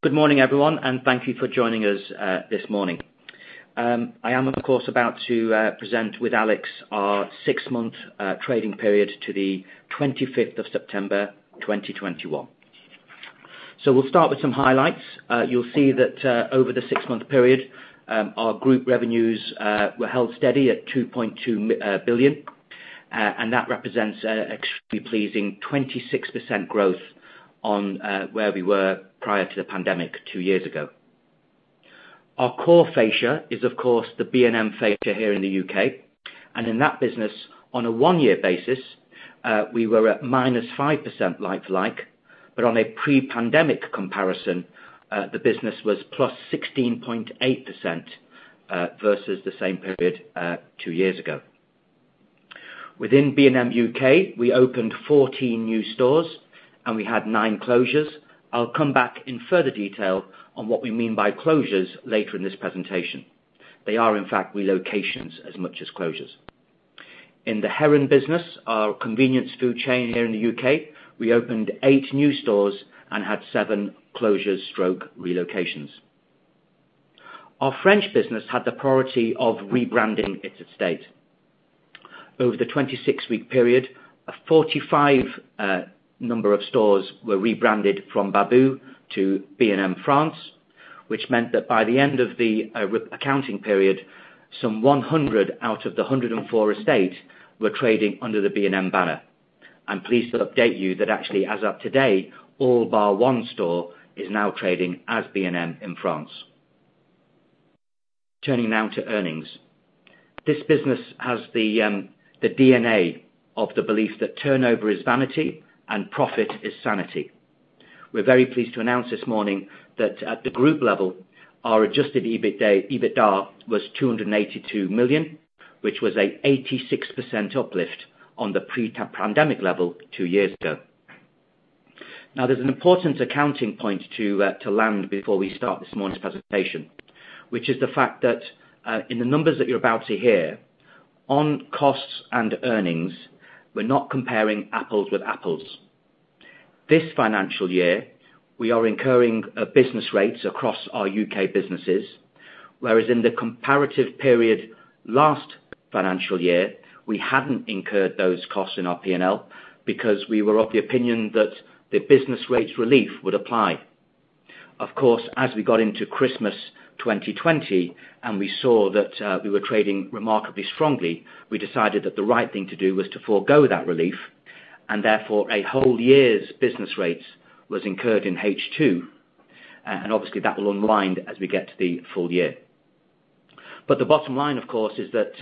Good morning everyone, and thank you for joining us this morning. I am of course about to present with Alex our six-month trading period to the 25th of September 2021. We'll start with some highlights. You'll see that over the six-month period our group revenues were held steady at 2.2 billion. And that represents an extremely pleasing 26% growth on where we were prior to the pandemic two years ago. Our core fascia is of course the B&M fascia here in the U.K. In that business, on a one-year basis we were at -5% like to like. On a pre-pandemic comparison the business was +16.8% versus the same period two years ago. Within B&M U.K., we opened 14 new stores and we had nine closures. I'll come back in further detail on what we mean by closures later in this presentation. They are in fact relocations as much as closures. In the Heron business, our convenience food chain here in the U.K., we opened eight new stores and had seven closures/relocations. Our French business had the priority of rebranding its estate. Over the 26-week period, 45 stores were rebranded from Babou to B&M France, which meant that by the end of the reporting period, some 100 out of the 104 estate were trading under the B&M banner. I'm pleased to update you that actually as of today, all bar one store is now trading as B&M in France. Turning now to earnings. This business has the DNA of the belief that turnover is vanity and profit is sanity. We're very pleased to announce this morning that at the group level, our adjusted EBITDA was 282 million, which was an 86% uplift on the pre-pandemic level two years ago. Now, there's an important accounting point to land before we start this morning's presentation, which is the fact that in the numbers that you're about to hear, on costs and earnings, we're not comparing apples with apples. This financial year, we are incurring business rates across our U.K. businesses, whereas in the comparative period last financial year, we hadn't incurred those costs in our P&L because we were of the opinion that the business rates relief would apply. Of course, as we got into Christmas 2020 and we saw that we were trading remarkably strongly, we decided that the right thing to do was to forgo that relief and therefore a whole year's business rates was incurred in H2, and obviously that will unwind as we get to the full year. But the bottom line, of course, is that,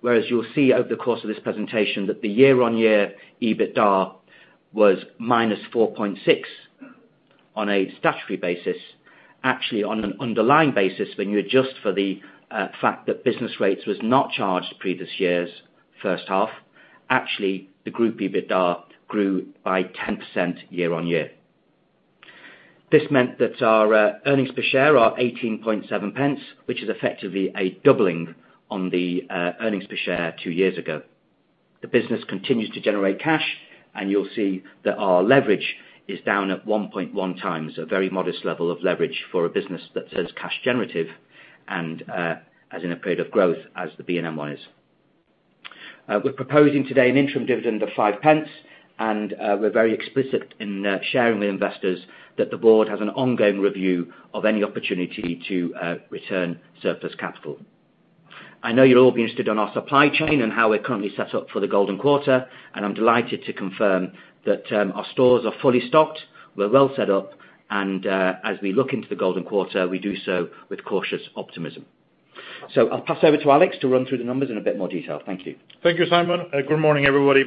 whereas you'll see over the course of this presentation that the year-on-year EBITDA was -4.6 on a statutory basis, actually, on an underlying basis, when you adjust for the fact that business rates was not charged previous year's first half, actually, the group EBITDA grew by 10% year-on-year. This meant that our earnings per share are 0.187, which is effectively a doubling on the earnings per share two years ago. The business continues to generate cash, and you'll see that our leverage is down at 1.1x, a very modest level of leverage for a business that's cash generative and as in a period of growth as the B&M one is. We're proposing today an interim dividend of 0.05 and we're very explicit in sharing with investors that the board has an ongoing review of any opportunity to return surplus capital. I know you're all kept up to date on our supply chain and how we're currently set up for the golden quarter, and I'm delighted to confirm that our stores are fully stocked. We're well set up and as we look into the golden quarter, we do so with cautious optimism. I'll pass over to Alex to run through the numbers in a bit more detail. Thank you. Thank you, Simon. Good morning, everybody.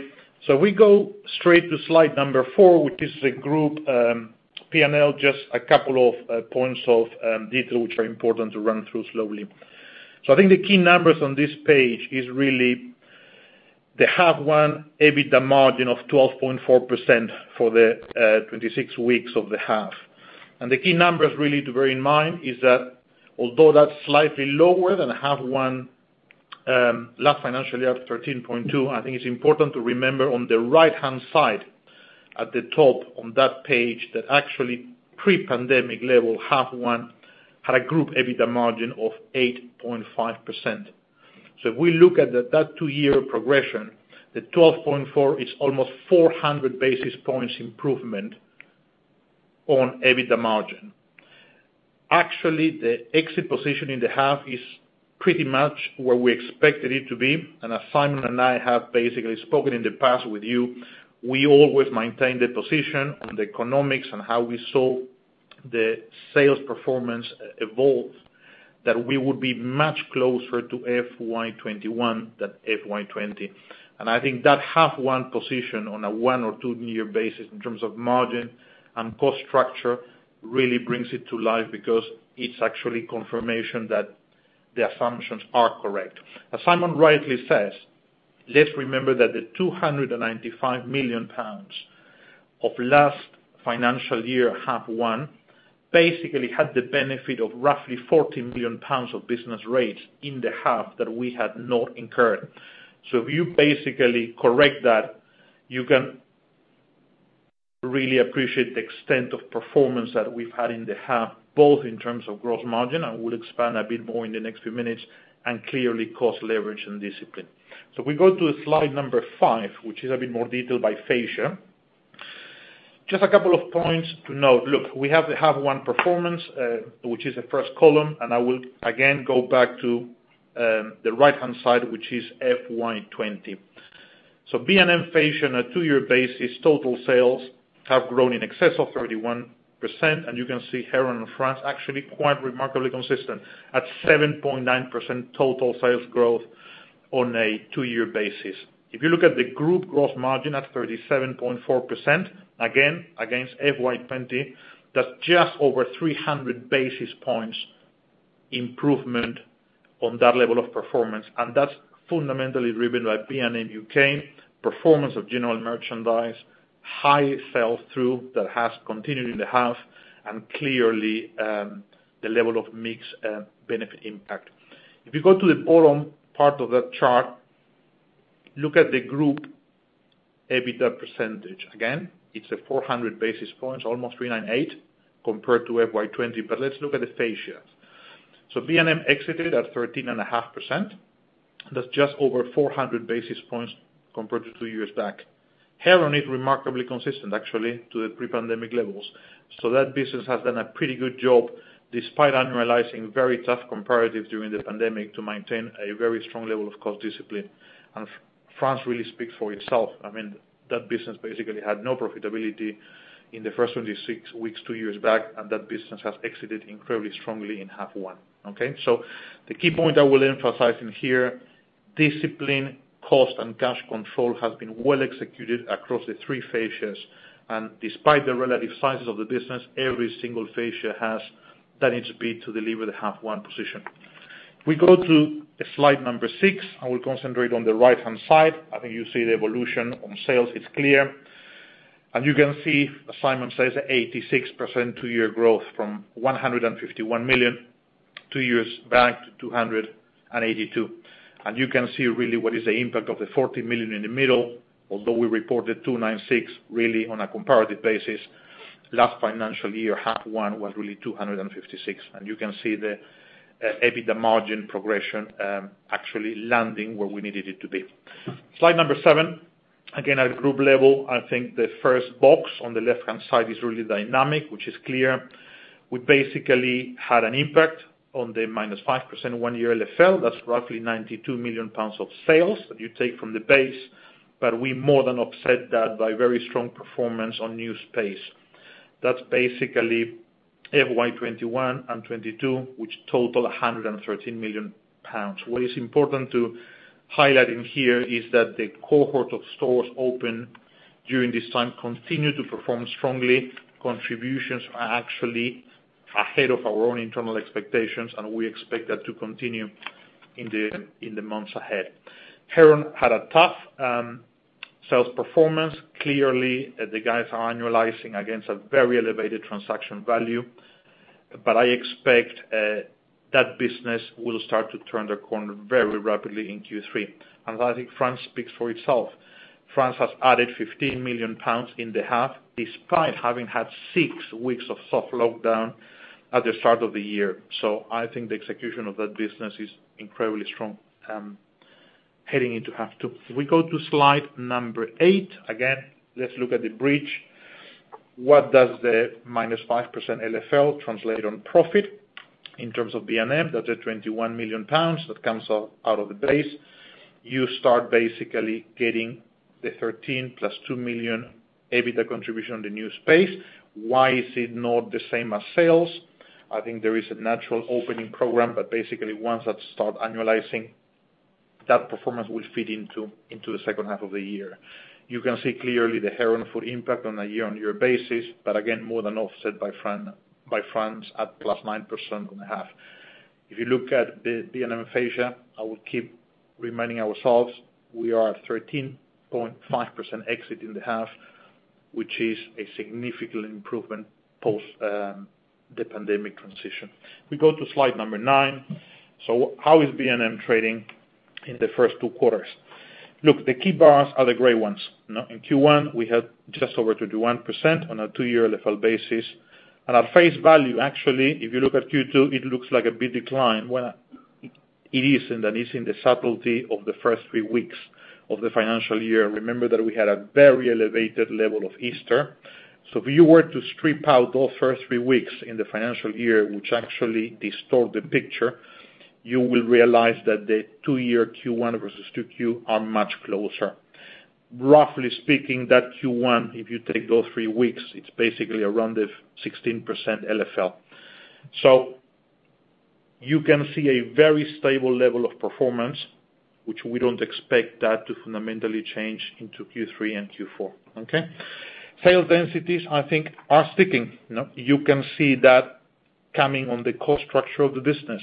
We go straight to slide number four, which is a group P&L, just a couple of points of detail, which are important to run through slowly. I think the key numbers on this page is really the half one EBITDA margin of 12.4% for the 26 weeks of the half. And the key numbers really to bear in mind is that although that's slightly lower than half one last financial year of 13.2, I think it's important to remember on the right-hand side, at the top on that page, that actually pre-pandemic level half one had a group EBITDA margin of 8.5%. If we look at that two-year progression, the 12.4 is almost 400 basis points improvement on EBITDA margin. Actually, the exit position in the half is pretty much where we expected it to be, and as Simon and I have basically spoken in the past with you, we always maintain the position on the economics and how we saw the sales performance evolve, that we would be much closer to FY 2021 than FY 2020. I think that half one position on a one or two year basis in terms of margin and cost structure really brings it to life because it's actually confirmation that the assumptions are correct. As Simon rightly says, let's remember that the 295 million pounds of last financial year half one basically had the benefit of roughly 40 million pounds of business rates in the half that we had not incurred. If you basically correct that, you can really appreciate the extent of performance that we've had in the half, both in terms of gross margin. I will expand a bit more in the next few minutes, and clearly cost leverage and discipline. We go to slide number five, which is a bit more detailed by fascia. Just a couple of points to note. Look, we have the half one performance, which is the first column, and I will again go back to the right-hand side, which is FY 2020. B&M fascia on a two-year basis, total sales have grown in excess of 31%. You can see Heron and France actually quite remarkably consistent at 7.9% total sales growth on a two-year basis. If you look at the group gross margin at 37.4%, again against FY 2020, that's just over 300 basis points improvement on that level of performance. That's fundamentally driven by B&M U.K., performance of general merchandise, high sell-through that has continued in the half and clearly, the level of mix, benefit impact. If you go to the bottom part of that chart, look at the group EBITDA percentage. It's 400 basis points, almost 398 compared to FY 2020. Let's look at the fascias. B&M exited at 13.5%. That's just over 400 basis points compared to two years back. Heron is remarkably consistent, actually, to the pre-pandemic levels. That business has done a pretty good job, despite annualizing very tough comparatives during the pandemic to maintain a very strong level of cost discipline. France really speaks for itself. I mean, that business basically had no profitability in the first 26 weeks two years back, and that business has exited incredibly strongly in half one, okay? The key point I will emphasize in here, discipline, cost, and cash control has been well executed across the three fascias. Despite the relative sizes of the business, every single fascia has done its bit to deliver the half one position. We go to slide number six, and we'll concentrate on the right-hand side. I think you see the evolution on sales. It's clear. You can see, as Simon says, 86% two-year growth from 151 million two years back to 282 million. You can see really what is the impact of the 40 million in the middle. Although we reported 296 million, really on a comparative basis, last financial year, half one was really 256 million. You can see the EBITDA margin progression, actually landing where we needed it to be. Slide number seven. Again, at group level, I think the first box on the left-hand side is really dynamic, which is clear. We basically had an impact on the -5% one-year LFL. That's roughly 92 million pounds of sales that you take from the base. We more than offset that by very strong performance on new space. That's basically FY 2021 and 2022, which total 113 million pounds. What is important to highlight in here is that the cohort of stores open during this time continue to perform strongly. Contributions are actually ahead of our own internal expectations, and we expect that to continue in the months ahead. Heron had a tough sales performance. Clearly, the guys are annualizing against a very elevated transaction value. I expect that business will start to turn the corner very rapidly in Q3. I think France speaks for itself. France has added 15 million pounds in the half, despite having had six weeks of soft lockdown at the start of the year. I think the execution of that business is incredibly strong heading into half two. If we go to slide eight, again, let's look at the bridge. What does the -5% LFL translate on profit in terms of B&M? That's at 21 million pounds. That comes out of the base. You start basically getting the 13 + 2 million EBITDA contribution on the new space. Why is it not the same as sales? I think there is a natural opening program, but basically once that start annualizing, that performance will fit into the second half of the year. You can see clearly the Heron full impact on a year-on-year basis, but again, more than offset by France at +9% on the half. If you look at the B&M fascia, I will keep reminding ourselves we are at 13.5% exit in the half, which is a significant improvement post the pandemic transition. We go to slide number nine. How is B&M trading in the first two quarters? Look, the key bars are the gray ones. Now, in Q1, we had just over 31% on a two-year LFL basis. At face value, actually, if you look at Q2, it looks like a big decline. Well, it is, and that is the subtlety of the first three weeks of the financial year. Remember that we had a very elevated level of Easter. If you were to strip out those first three weeks in the financial year, which actually distort the picture, you will realize that the two-year Q1 versus Q2 are much closer. Roughly speaking, that Q1, if you take those three weeks, it's basically around the 16% LFL. You can see a very stable level of performance, which we don't expect that to fundamentally change into Q3 and Q4, okay? Sales densities, I think, are sticking. You know, you can see that coming on the cost structure of the business.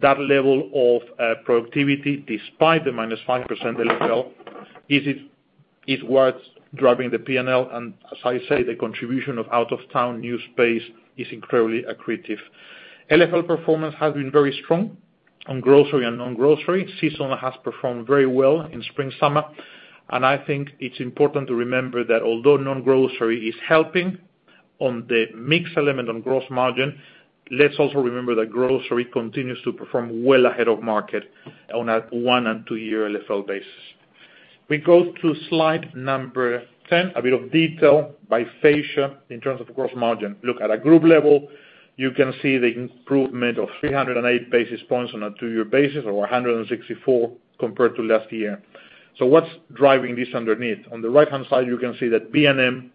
That level of productivity, despite the -5% LFL, is what's driving the P&L. As I say, the contribution of out-of-town new space is incredibly accretive. LFL performance has been very strong. On grocery and non-grocery, seasonal has performed very well in spring, summer. I think it's important to remember that although non-grocery is helping on the mix element on gross margin, let's also remember that grocery continues to perform well ahead of market on a one- and two-year LFL basis. We go to slide number 10, a bit of detail by fascia in terms of gross margin. Look, at a group level, you can see the improvement of 308 basis points on a two-year basis, or 164 compared to last year. What's driving this underneath? On the right-hand side, you can see that B&M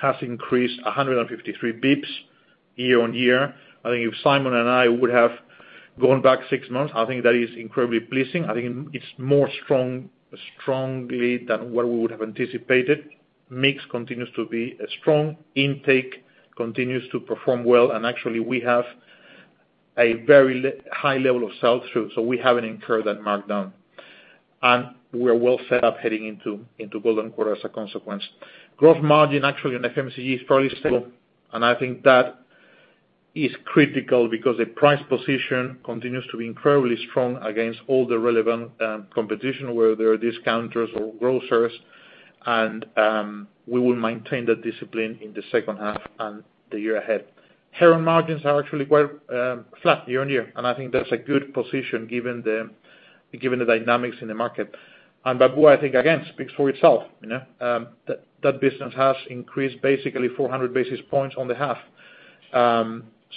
has increased 153 basis points year-on-year. I think if Simon and I would have gone back six months, I think that is incredibly pleasing. I think it's more strongly than what we would have anticipated. Mix continues to be strong, intake continues to perform well. Actually, we have a very high level of sell-through, so we haven't incurred that markdown. We're well set up heading into golden quarter as a consequence. Gross margin, actually, in FMCG is fairly stable, and I think that is critical because the price position continues to be incredibly strong against all the relevant competition, whether they're discounters or grocers. We will maintain the discipline in the second half and the year ahead. Heron margins are actually quite flat year-on-year, and I think that's a good position given the dynamics in the market. Babou, I think again, speaks for itself. You know? That business has increased basically 400 basis points on the half.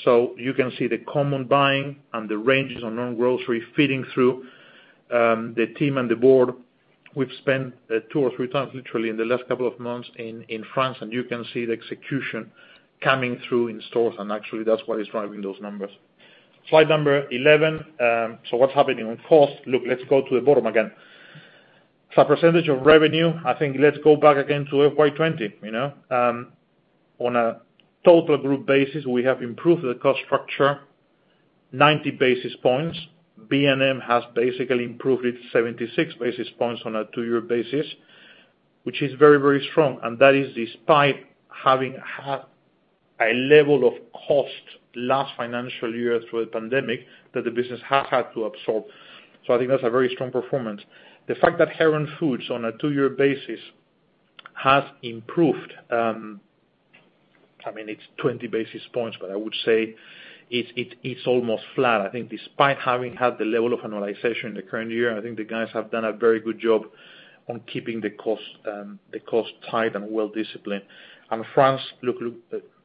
So you can see the common buying and the ranges on non-grocery feeding through. The team and the board, we've spent 2x or 3x literally in the last couple of months in France, and you can see the execution coming through in stores. Actually that's what is driving those numbers. Slide 11. So what's happening on cost? Look, let's go to the bottom again. It's a percentage of revenue. I think let's go back again to FY 2020, you know. On a total group basis, we have improved the cost structure 90 basis points. B&M has basically improved it 76 basis points on a two-year basis, which is very, very strong. That is despite having had a level of cost last financial year through the pandemic that the business has had to absorb. I think that's a very strong performance. The fact that Heron Foods on a two-year basis has improved, I mean, it's 20 basis points, but I would say it's almost flat. I think despite having had the level of annualization in the current year, I think the guys have done a very good job on keeping the cost tight and well-disciplined. France, look,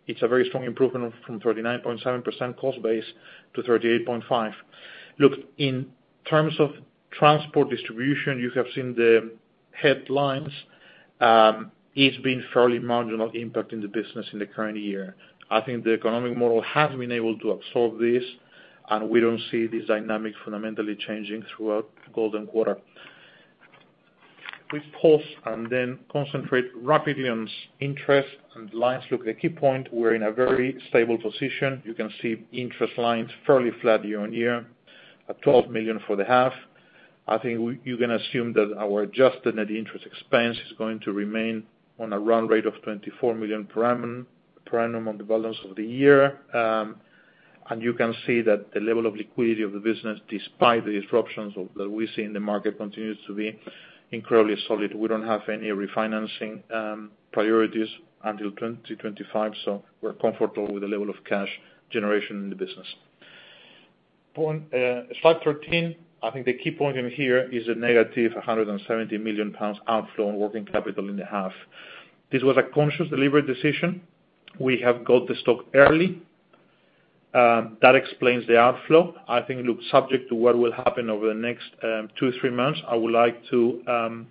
it's a very strong improvement from 39.7% cost base to 38.5%. Look, in terms of transport distribution, you have seen the headlines. It's been fairly marginal impact in the business in the current year. I think the economic model has been able to absorb this, and we don't see this dynamic fundamentally changing throughout golden quarter. We pause and then concentrate rapidly on interest and lines. Look, the key point, we're in a very stable position. You can see interest lines fairly flat year-on-year at 12 million for the half. I think you can assume that our adjusted net interest expense is going to remain on a run rate of 24 million per annum on the balance of the year. You can see that the level of liquidity of the business, despite the disruptions that we see in the market, continues to be incredibly solid. We don't have any refinancing priorities until 2025, so we're comfortable with the level of cash generation in the business. Onto slide 13. I think the key point in here is a negative 170 million pounds outflow on working capital in the half. This was a conscious delivery decision. We have got the stock early, that explains the outflow. I think, look, subject to what will happen over the next two-three months, I would like to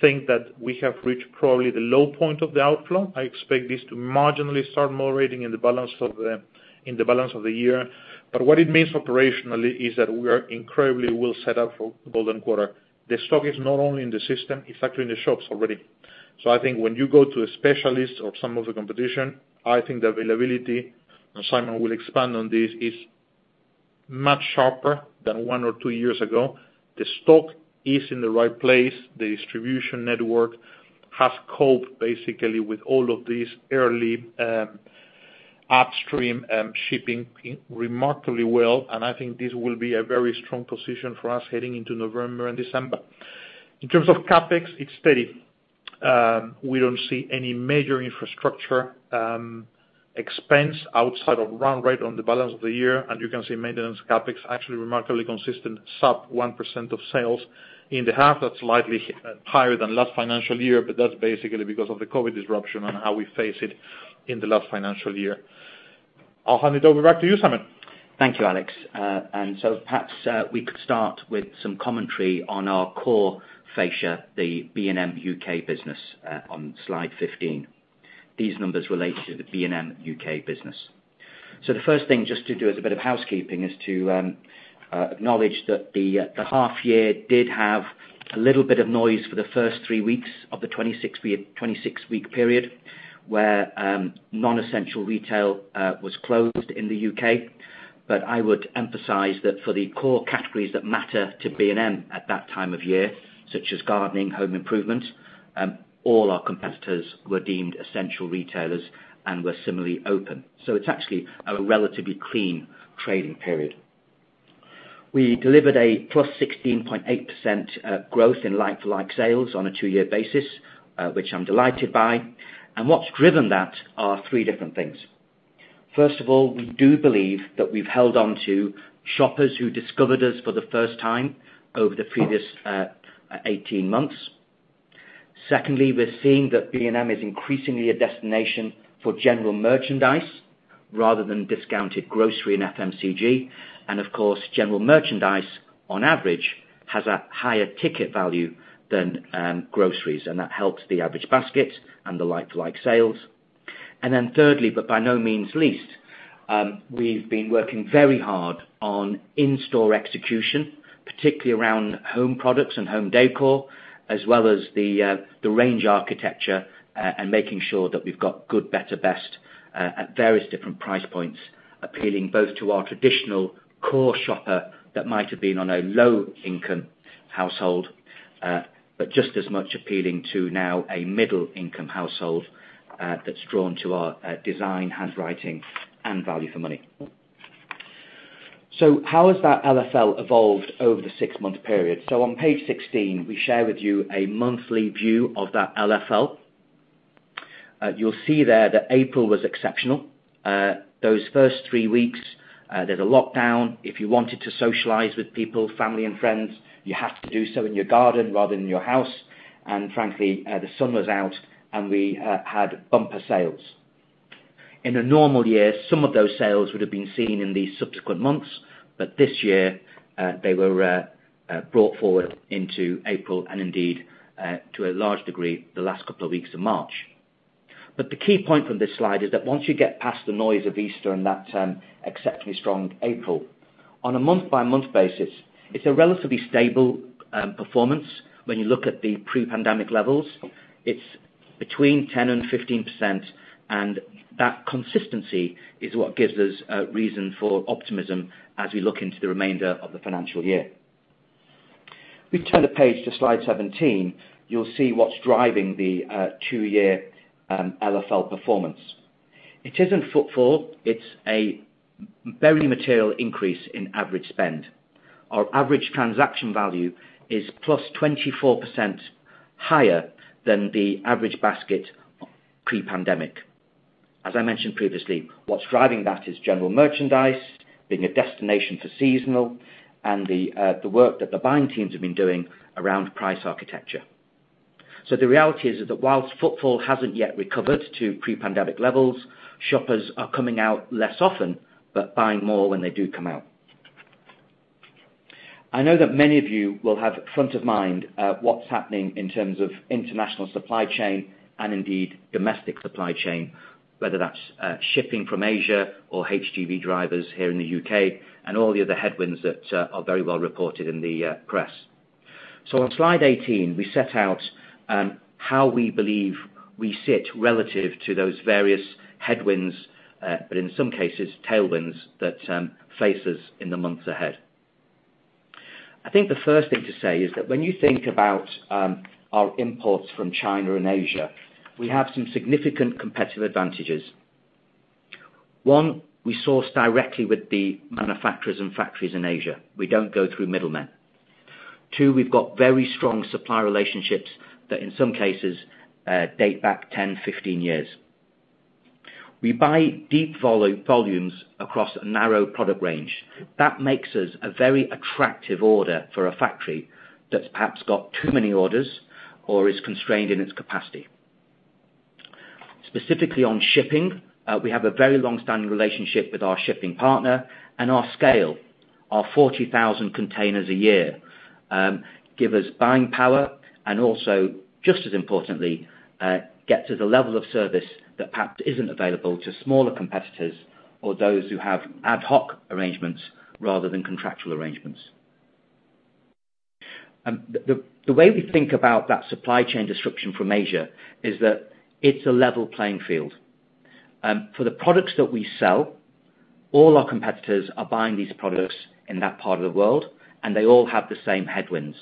think that we have reached probably the low point of the outflow. I expect this to marginally start moderating in the balance of the year. What it means operationally is that we are incredibly well set up for golden quarter. The stock is not only in the system, it's actually in the shops already. I think when you go to a specialist or some of the competition, I think the availability, and Simon will expand on this, is much sharper than one or two years ago. The stock is in the right place. The distribution network has coped basically with all of these early, upstream, shipping remarkably well. I think this will be a very strong position for us heading into November and December. In terms of CapEx, it's steady. We don't see any major infrastructure, expense outside of run rate on the balance of the year. You can see maintenance CapEx actually remarkably consistent, sub 1% of sales in the half. That's slightly higher than last financial year, but that's basically because of the COVID disruption and how we face it in the last financial year. I'll hand it over back to you, Simon. Thank you, Alex. Perhaps we could start with some commentary on our core fascia, the B&M U.K. business, on slide 15. These numbers relate to the B&M U.K. business. The first thing just to do as a bit of housekeeping is to acknowledge that the half year did have a little bit of noise for the first three weeks of the 26-week period, where non-essential retail was closed in the U.K. I would emphasize that for the core categories that matter to B&M at that time of year, such as gardening, home improvement, all our competitors were deemed essential retailers and were similarly open. It's actually a relatively clean trading period. We delivered a +16.8% growth in like-for-like sales on a two-year basis, which I'm delighted by. What's driven that are three different things. First of all, we do believe that we've held on to shoppers who discovered us for the first time over the previous 18 months. Secondly, we're seeing that B&M is increasingly a destination for general merchandise rather than discounted grocery and FMCG. Of course, general merchandise, on average, has a higher ticket value than groceries, and that helps the average basket and the like-for-like sales. Then thirdly, but by no means least, we've been working very hard on in-store execution, particularly around home products and home decor, as well as the range architecture, and making sure that we've got good, better, best at various different price points. Appealing both to our traditional core shopper that might have been on a low-income household, but just as much appealing to now a middle-income household, that's drawn to our design, handwriting and value for money. How has that LFL evolved over the six-month period? On page 16, we share with you a monthly view of that LFL. You'll see there that April was exceptional. Those first three weeks, there's a lockdown. If you wanted to socialize with people, family and friends, you have to do so in your garden rather than your house. Frankly, the sun was out and we had bumper sales. In a normal year, some of those sales would have been seen in the subsequent months, but this year, they were brought forward into April and indeed, to a large degree, the last couple of weeks of March. The key point from this slide is that once you get past the noise of Easter and that exceptionally strong April, on a month-by-month basis, it's a relatively stable performance when you look at the pre-pandemic levels. It's between 10% and 15%, and that consistency is what gives us reason for optimism as we look into the remainder of the financial year. We turn the page to slide 17, you'll see what's driving the two-year LFL performance. It isn't footfall, it's a very material increase in average spend. Our average transaction value is +24% higher than the average basket pre-pandemic. As I mentioned previously, what's driving that is general merchandise being a destination for seasonal and the work that the buying teams have been doing around price architecture. The reality is that while footfall hasn't yet recovered to pre-pandemic levels, shoppers are coming out less often, but buying more when they do come out. I know that many of you will have front of mind what's happening in terms of international supply chain and indeed domestic supply chain, whether that's shipping from Asia or HGV drivers here in the U.K. and all the other headwinds that are very well reported in the press. On slide 18, we set out how we believe we sit relative to those various headwinds, but in some cases, tailwinds that face us in the months ahead. I think the first thing to say is that when you think about our imports from China and Asia, we have some significant competitive advantages. One, we source directly with the manufacturers and factories in Asia. We don't go through middlemen. Two, we've got very strong supplier relationships that in some cases date back 10, 15 years. We buy deep volumes across a narrow product range. That makes us a very attractive order for a factory that's perhaps got too many orders or is constrained in its capacity. Specifically on shipping, we have a very long-standing relationship with our shipping partner and our scale. Our 40,000 containers a year give us buying power and also, just as importantly, get to the level of service that perhaps isn't available to smaller competitors or those who have ad hoc arrangements rather than contractual arrangements. The way we think about that supply chain disruption from Asia is that it's a level playing field. For the products that we sell, all our competitors are buying these products in that part of the world, and they all have the same headwinds.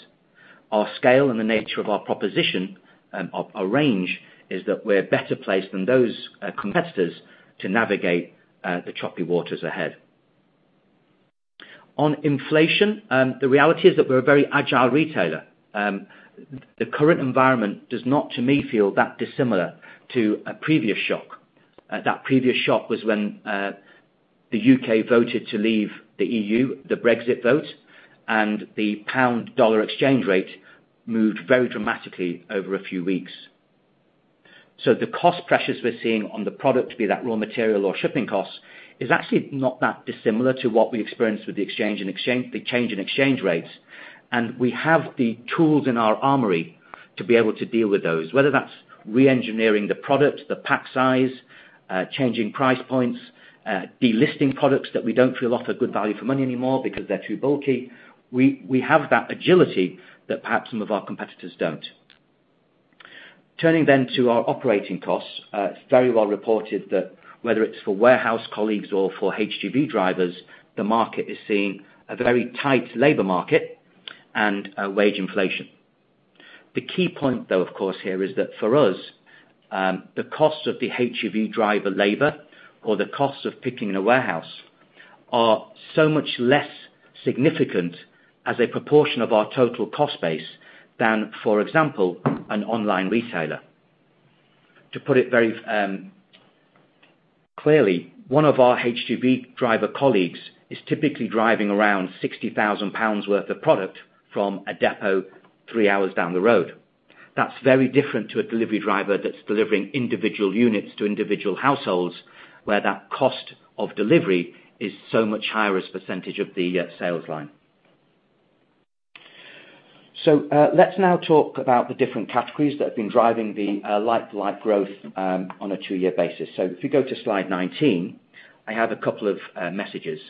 Our scale and the nature of our proposition, of a range is that we're better placed than those competitors to navigate the choppy waters ahead. On inflation, the reality is that we're a very agile retailer. The current environment does not, to me, feel that dissimilar to a previous shock. That previous shock was when the U.K. voted to leave the EU, the Brexit vote, and the pound-dollar exchange rate moved very dramatically over a few weeks. The cost pressures we're seeing on the product, be that raw material or shipping costs, is actually not that dissimilar to what we experienced with the change in exchange rates. We have the tools in our armory to be able to deal with those, whether that's re-engineering the product, the pack size, changing price points, delisting products that we don't feel offer good value for money anymore because they're too bulky. We have that agility that perhaps some of our competitors don't. Turning then to our operating costs, it's very well reported that whether it's for warehouse colleagues or for HGV drivers, the market is seeing a very tight labor market and wage inflation. The key point though, of course here is that for us, the cost of the HGV driver labor or the cost of picking in a warehouse are so much less significant as a proportion of our total cost base than, for example, an online retailer. To put it very clearly, one of our HGV driver colleagues is typically driving around 60,000 pounds worth of product from a depot three hours down the road. That's very different to a delivery driver that's delivering individual units to individual households, where that cost of delivery is so much higher as a percentage of the sales line. Let's now talk about the different categories that have been driving the like-for-like growth on a two-year basis. If you go to slide 19, I have a couple of messages.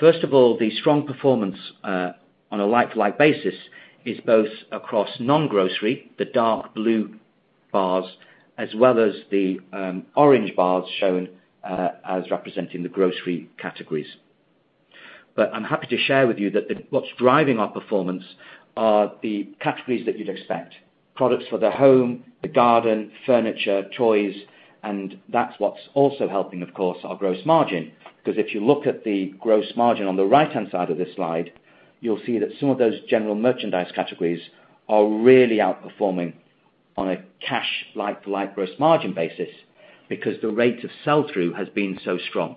First of all, the strong performance on a like-for-like basis is both across non-grocery, the dark blue bars, as well as the orange bars shown as representing the grocery categories. I'm happy to share with you that what's driving our performance are the categories that you'd expect, products for the home, the garden, furniture, toys, and that's what's also helping, of course, our gross margin, because if you look at the gross margin on the right-hand side of this slide, you'll see that some of those general merchandise categories are really outperforming on a cash like-for-like gross margin basis because the rate of sell-through has been so strong.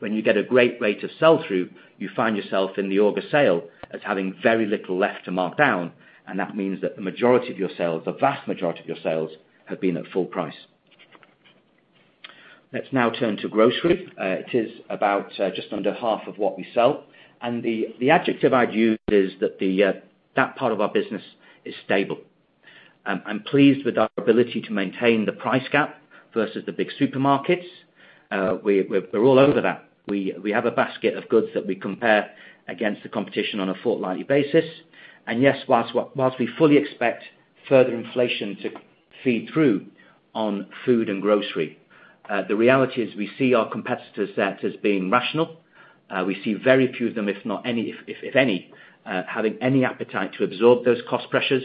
When you get a great rate of sell-through, you find yourself in the August sale as having very little left to mark down, and that means that the majority of your sales, the vast majority of your sales have been at full price. Let's now turn to grocery. It is about just under half of what we sell, and the adjective I'd use is that that part of our business is stable. I'm pleased with our ability to maintain the price gap versus the big supermarkets. We're all over that. We have a basket of goods that we compare against the competition on a fortnightly basis. Yes, whilst we fully expect further inflation to feed through on food and grocery, the reality is we see our competitors' sets as being rational. We see very few of them, if any, having any appetite to absorb those cost pressures.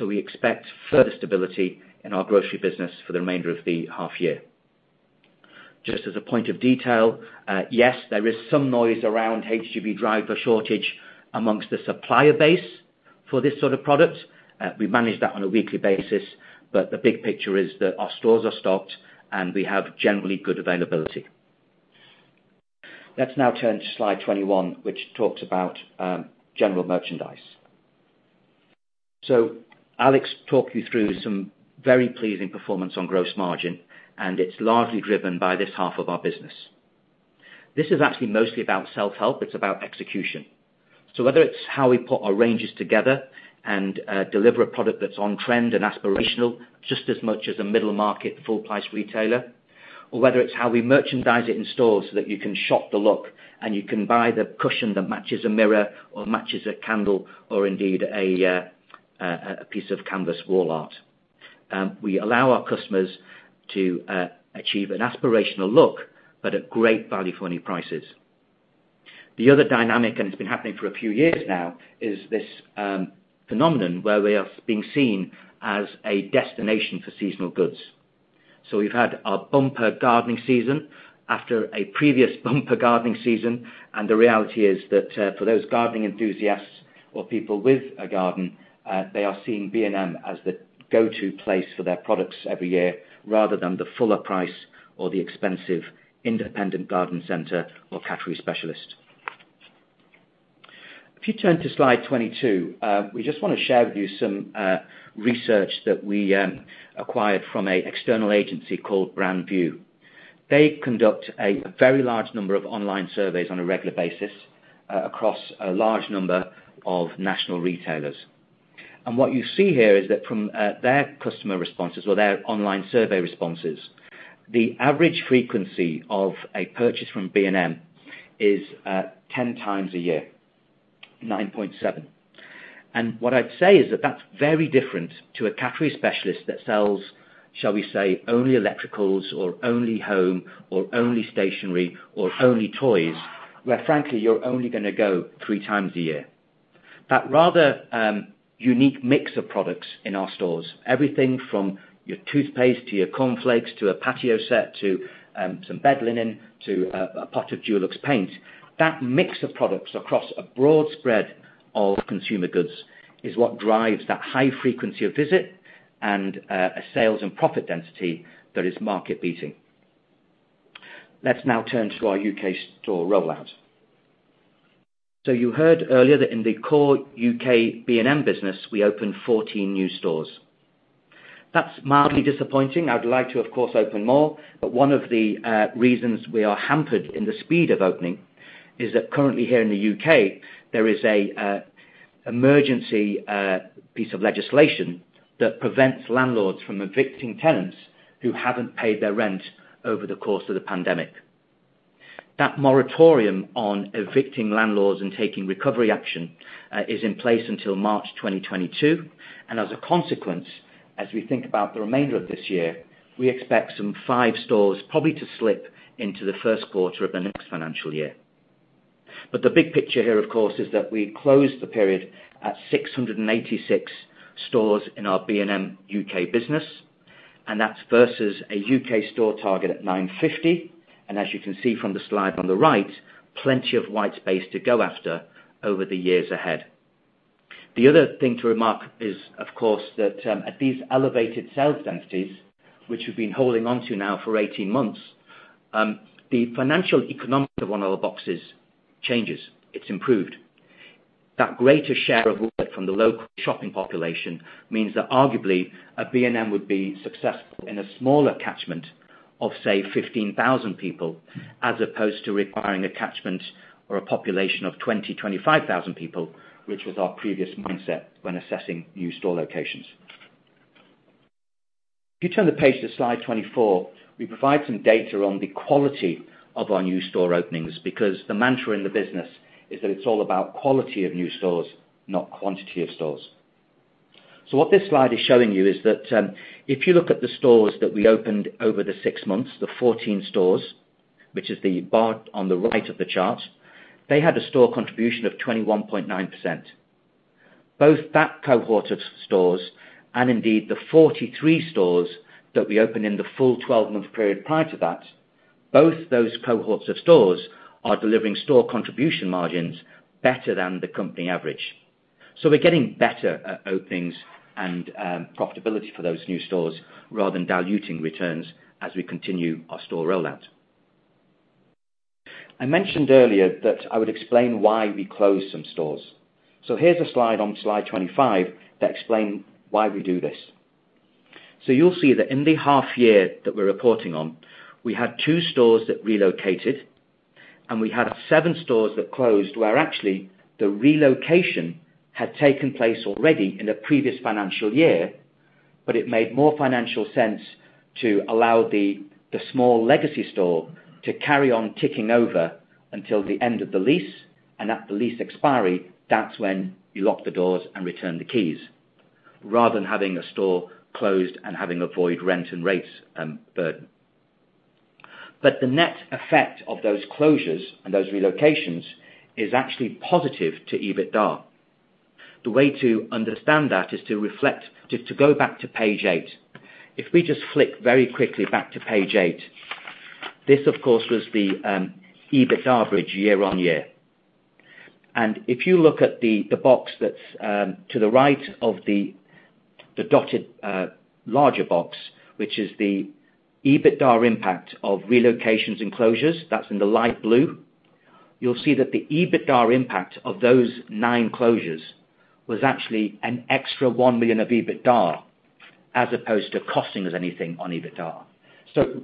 We expect further stability in our grocery business for the remainder of the half year. Just as a point of detail, yes, there is some noise around HGV driver shortage amongst the supplier base for this sort of product. We manage that on a weekly basis, but the big picture is that our stores are stocked, and we have generally good availability. Let's now turn to slide 21, which talks about general merchandise. Alex talked you through some very pleasing performance on gross margin, and it's largely driven by this half of our business. This is actually mostly about self-help. It's about execution. Whether it's how we put our ranges together and deliver a product that's on trend and aspirational, just as much as a middle market full price retailer, or whether it's how we merchandise it in stores so that you can shop the look and you can buy the cushion that matches a mirror or matches a candle or indeed a piece of canvas wall art. We allow our customers to achieve an aspirational look but at great value for any prices. The other dynamic, and it's been happening for a few years now, is this phenomenon where we are being seen as a destination for seasonal goods. We've had our bumper gardening season after a previous bumper gardening season, and the reality is that for those gardening enthusiasts or people with a garden, they are seeing B&M as the go-to place for their products every year, rather than the fuller price or the expensive independent garden center or category specialist. If you turn to slide 22, we just wanna share with you some research that we acquired from an external agency called Brand View. They conduct a very large number of online surveys on a regular basis across a large number of national retailers. What you see here is that from their customer responses or their online survey responses, the average frequency of a purchase from B&M is 10x a year, 9.7. What I'd say is that that's very different to a category specialist that sells, shall we say, only electricals or only home or only stationery or only toys, where frankly, you're only gonna go 3x a year. That rather unique mix of products in our stores, everything from your toothpaste to your cornflakes, to a patio set, to some bed linen, to a pot of Dulux paint, that mix of products across a broad spread of consumer goods is what drives that high frequency of visit and a sales and profit density that is market beating. Let's now turn to our U.K. store rollout. You heard earlier that in the core U.K. B&M business, we opened 14 new stores. That's mildly disappointing. I'd like to, of course, open more, but one of the reasons we are hampered in the speed of opening is that currently here in the U.K., there is an emergency piece of legislation that prevents landlords from evicting tenants who haven't paid their rent over the course of the pandemic. That moratorium on evicting tenants and taking recovery action is in place until March 2022. As a consequence, as we think about the remainder of this year, we expect some five stores probably to slip into the first quarter of the next financial year. The big picture here, of course, is that we closed the period at 686 stores in our B&M U.K. business, and that's versus a U.K. store target at 950. As you can see from the slide on the right, plenty of white space to go after over the years ahead. The other thing to remark is, of course, that at these elevated sales densities, which we've been holding on to now for 18 months, the financial economics of one of the boxes changes. It's improved. That greater share of wallet from the local shopping population means that arguably, a B&M would be successful in a smaller catchment of, say, 15,000 people as opposed to requiring a catchment or a population of 20,000-25,000 people, which was our previous mindset when assessing new store locations. If you turn the page to slide 24, we provide some data on the quality of our new store openings because the mantra in the business is that it's all about quality of new stores, not quantity of stores. What this slide is showing you is that, if you look at the stores that we opened over the six months, the 14 stores, which is the bar on the right of the chart, they had a store contribution of 21.9%. Both that cohort of stores and indeed the 43 stores that we opened in the full 12-month period prior to that, both those cohorts of stores are delivering store contribution margins better than the company average. We're getting better at openings and, profitability for those new stores rather than diluting returns as we continue our store rollout. I mentioned earlier that I would explain why we closed some stores. Here's a slide on slide 25 that explain why we do this. You'll see that in the half year that we're reporting on, we had two stores that relocated, and we had seven stores that closed, where actually the relocation had taken place already in the previous financial year, but it made more financial sense to allow the small legacy store to carry on ticking over until the end of the lease. At the lease expiry, that's when you lock the doors and return the keys, rather than having a store closed and having a void rent and rates burden. The net effect of those closures and those relocations is actually positive to EBITDA. The way to understand that is to go back to page eight. If we just flick very quickly back to page eight, this, of course, was the EBITDA bridge year-on-year. If you look at the box that's to the right of the dotted larger box, which is the EBITDA impact of relocations and closures, that's in the light blue, you'll see that the EBITDA impact of those nine closures was actually an extra 1 million of EBITDA as opposed to costing us anything on EBITDA.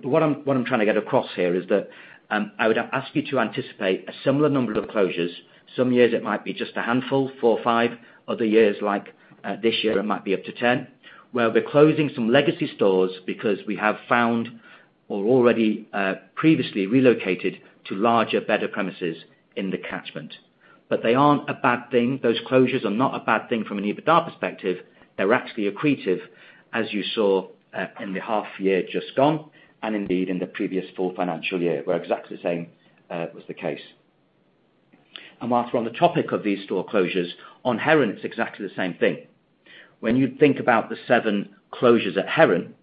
What I'm trying to get across here is that I would ask you to anticipate a similar number of closures. Some years it might be just a handful, four or five. Other years, like this year, it might be up to 10, where we're closing some legacy stores because we have found or already previously relocated to larger, better premises in the catchment. They aren't a bad thing. Those closures are not a bad thing from an EBITDA perspective. They're actually accretive, as you saw, in the half year just gone, and indeed in the previous full financial year, where exactly the same was the case. Whilst we're on the topic of these store closures, on Heron, it's exactly the same thing. When you think about the seven closures at Heron,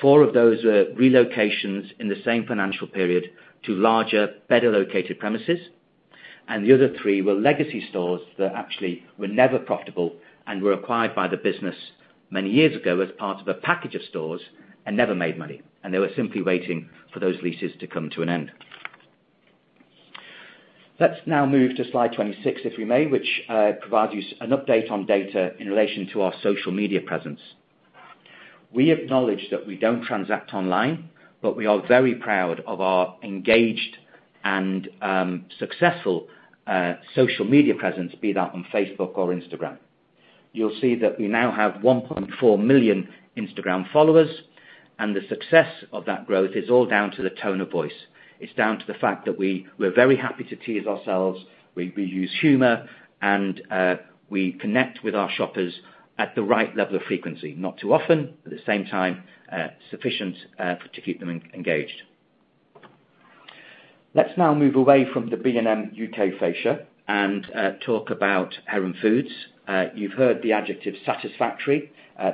four of those were relocations in the same financial period to larger, better located premises, and the other three were legacy stores that actually were never profitable and were acquired by the business many years ago as part of a package of stores and never made money. They were simply waiting for those leases to come to an end. Let's now move to slide 26, if we may, which provides you an update on data in relation to our social media presence. We acknowledge that we don't transact online, but we are very proud of our engaged and successful social media presence, be that on Facebook or Instagram. You'll see that we now have 1.4 million Instagram followers, and the success of that growth is all down to the tone of voice. It's down to the fact that we're very happy to tease ourselves, we use humor, and we connect with our shoppers at the right level of frequency. Not too often, but at the same time, sufficient to keep them engaged. Let's now move away from the B&M U.K. fascia and talk about Heron Foods. You've heard the adjective satisfactory.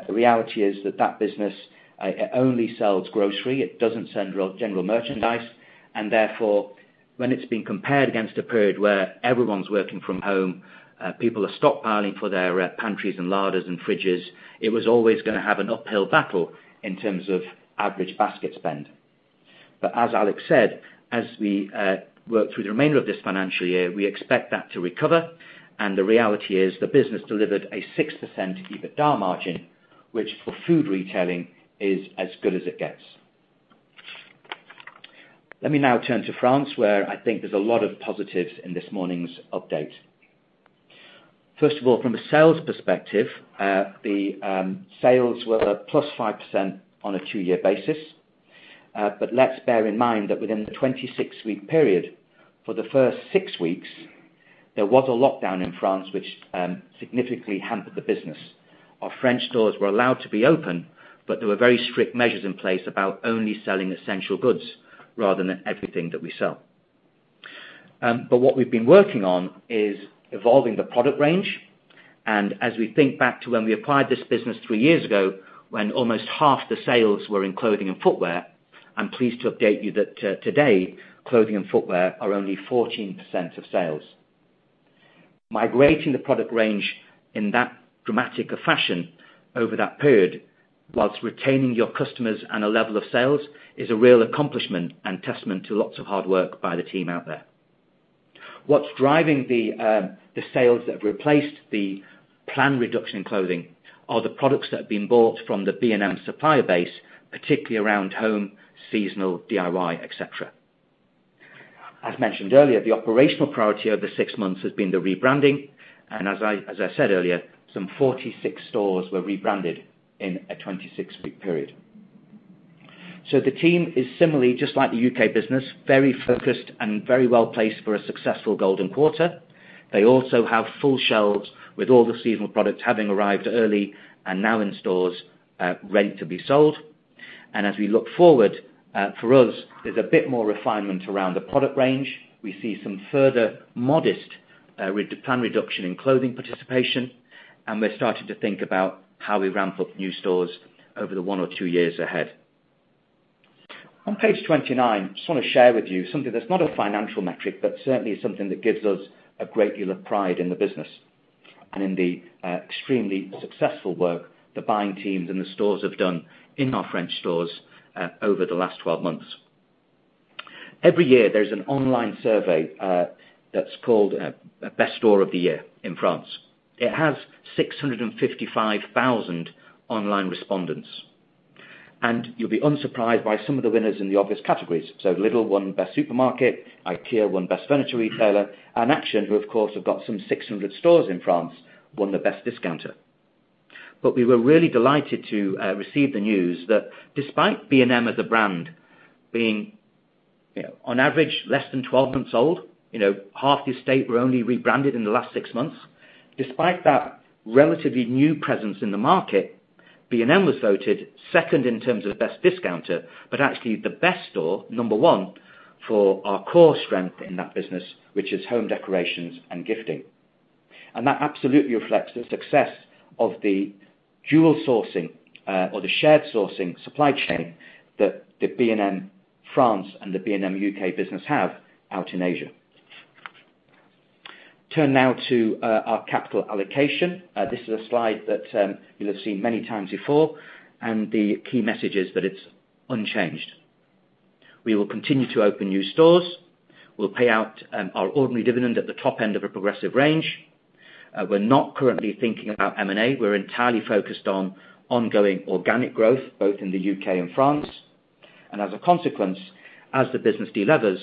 The reality is that that business, it only sells grocery. It doesn't sell general merchandise. Therefore, when it's being compared against a period where everyone's working from home, people are stockpiling for their pantries and larders and fridges, it was always gonna have an uphill battle in terms of average basket spend. As Alex said, as we work through the remainder of this financial year, we expect that to recover. The reality is the business delivered a 6% EBITDA margin, which for food retailing is as good as it gets. Let me now turn to France, where I think there's a lot of positives in this morning's update. First of all, from a sales perspective, the sales were +5% on a two-year basis. Let's bear in mind that within the 26-week period, for the first six weeks there was a lockdown in France which significantly hampered the business. Our French stores were allowed to be open, but there were very strict measures in place about only selling essential goods rather than everything that we sell. What we've been working on is evolving the product range, and as we think back to when we acquired this business three years ago, when almost half the sales were in clothing and footwear, I'm pleased to update you that, today, clothing and footwear are only 14% of sales. Migrating the product range in that dramatic a fashion over that period, while retaining your customers and a level of sales is a real accomplishment and testament to lots of hard work by the team out there. What's driving the sales that have replaced the planned reduction in clothing are the products that have been bought from the B&M supplier base, particularly around home, seasonal, DIY, et cetera. As mentioned earlier, the operational priority over six months has been the rebranding, and as I said earlier, some 46 stores were rebranded in a 26-week period. The team is similarly, just like the U.K. business, very focused and very well-placed for a successful golden quarter. They also have full shelves with all the seasonal products having arrived early and now in stores, ready to be sold. As we look forward, for us, there's a bit more refinement around the product range. We see some further modest planned reduction in clothing participation, and we're starting to think about how we ramp up new stores over the one or two years ahead. On page 29, just wanna share with you something that's not a financial metric, but certainly is something that gives us a great deal of pride in the business and in the extremely successful work the buying teams and the stores have done in our French stores over the last 12 months. Every year, there's an online survey that's called Best Store of the Year in France. It has 655,000 online respondents, and you'll be unsurprised by some of the winners in the obvious categories. Lidl won best supermarket, IKEA won best furniture retailer, and Action, who of course, have got some 600 stores in France, won the best discounter. We were really delighted to receive the news that despite B&M as a brand being, you know, on average less than 12 months old, you know, half the estate were only rebranded in the last six months. Despite that relatively new presence in the market, B&M was voted second in terms of best discounter, but actually the best store, number one, for our core strength in that business, which is home decorations and gifting. That absolutely reflects the success of the dual sourcing, or the shared sourcing supply chain that the B&M France and the B&M U.K. business have out in Asia. Turn now to our capital allocation. This is a slide that you'll have seen many times before, and the key message is that it's unchanged. We will continue to open new stores. We'll pay out our ordinary dividend at the top end of a progressive range. We're not currently thinking about M&A. We're entirely focused on ongoing organic growth, both in the U.K. and France. As a consequence, as the business de-levers,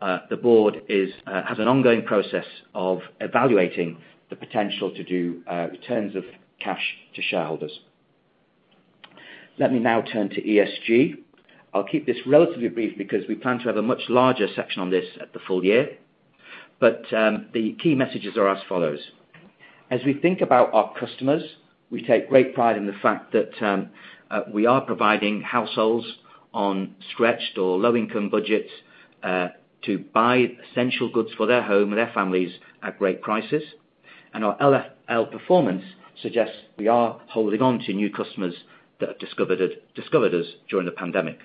the board has an ongoing process of evaluating the potential to do returns of cash to shareholders. Let me now turn to ESG. I'll keep this relatively brief because we plan to have a much larger section on this at the full year. The key messages are as follows. As we think about our customers, we take great pride in the fact that we are providing households on stretched or low-income budgets to buy essential goods for their home and their families at great prices. Our LFL performance suggests we are holding on to new customers that have discovered it, discovered us during the pandemic.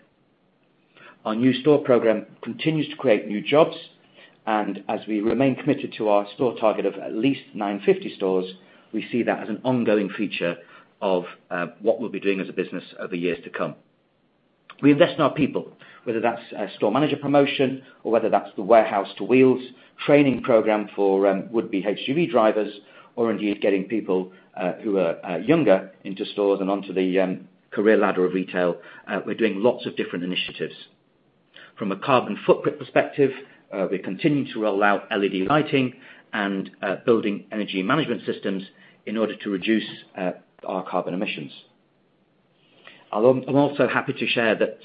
Our new store program continues to create new jobs, and as we remain committed to our store target of at least 950 stores, we see that as an ongoing feature of what we'll be doing as a business over years to come. We invest in our people, whether that's a store manager promotion or whether that's the Warehouse to Wheels training program for would-be HGV drivers or indeed getting people who are younger into stores and onto the career ladder of retail. We're doing lots of different initiatives. From a carbon footprint perspective, we're continuing to roll out LED lighting and building energy management systems in order to reduce our carbon emissions. Although I'm also happy to share that,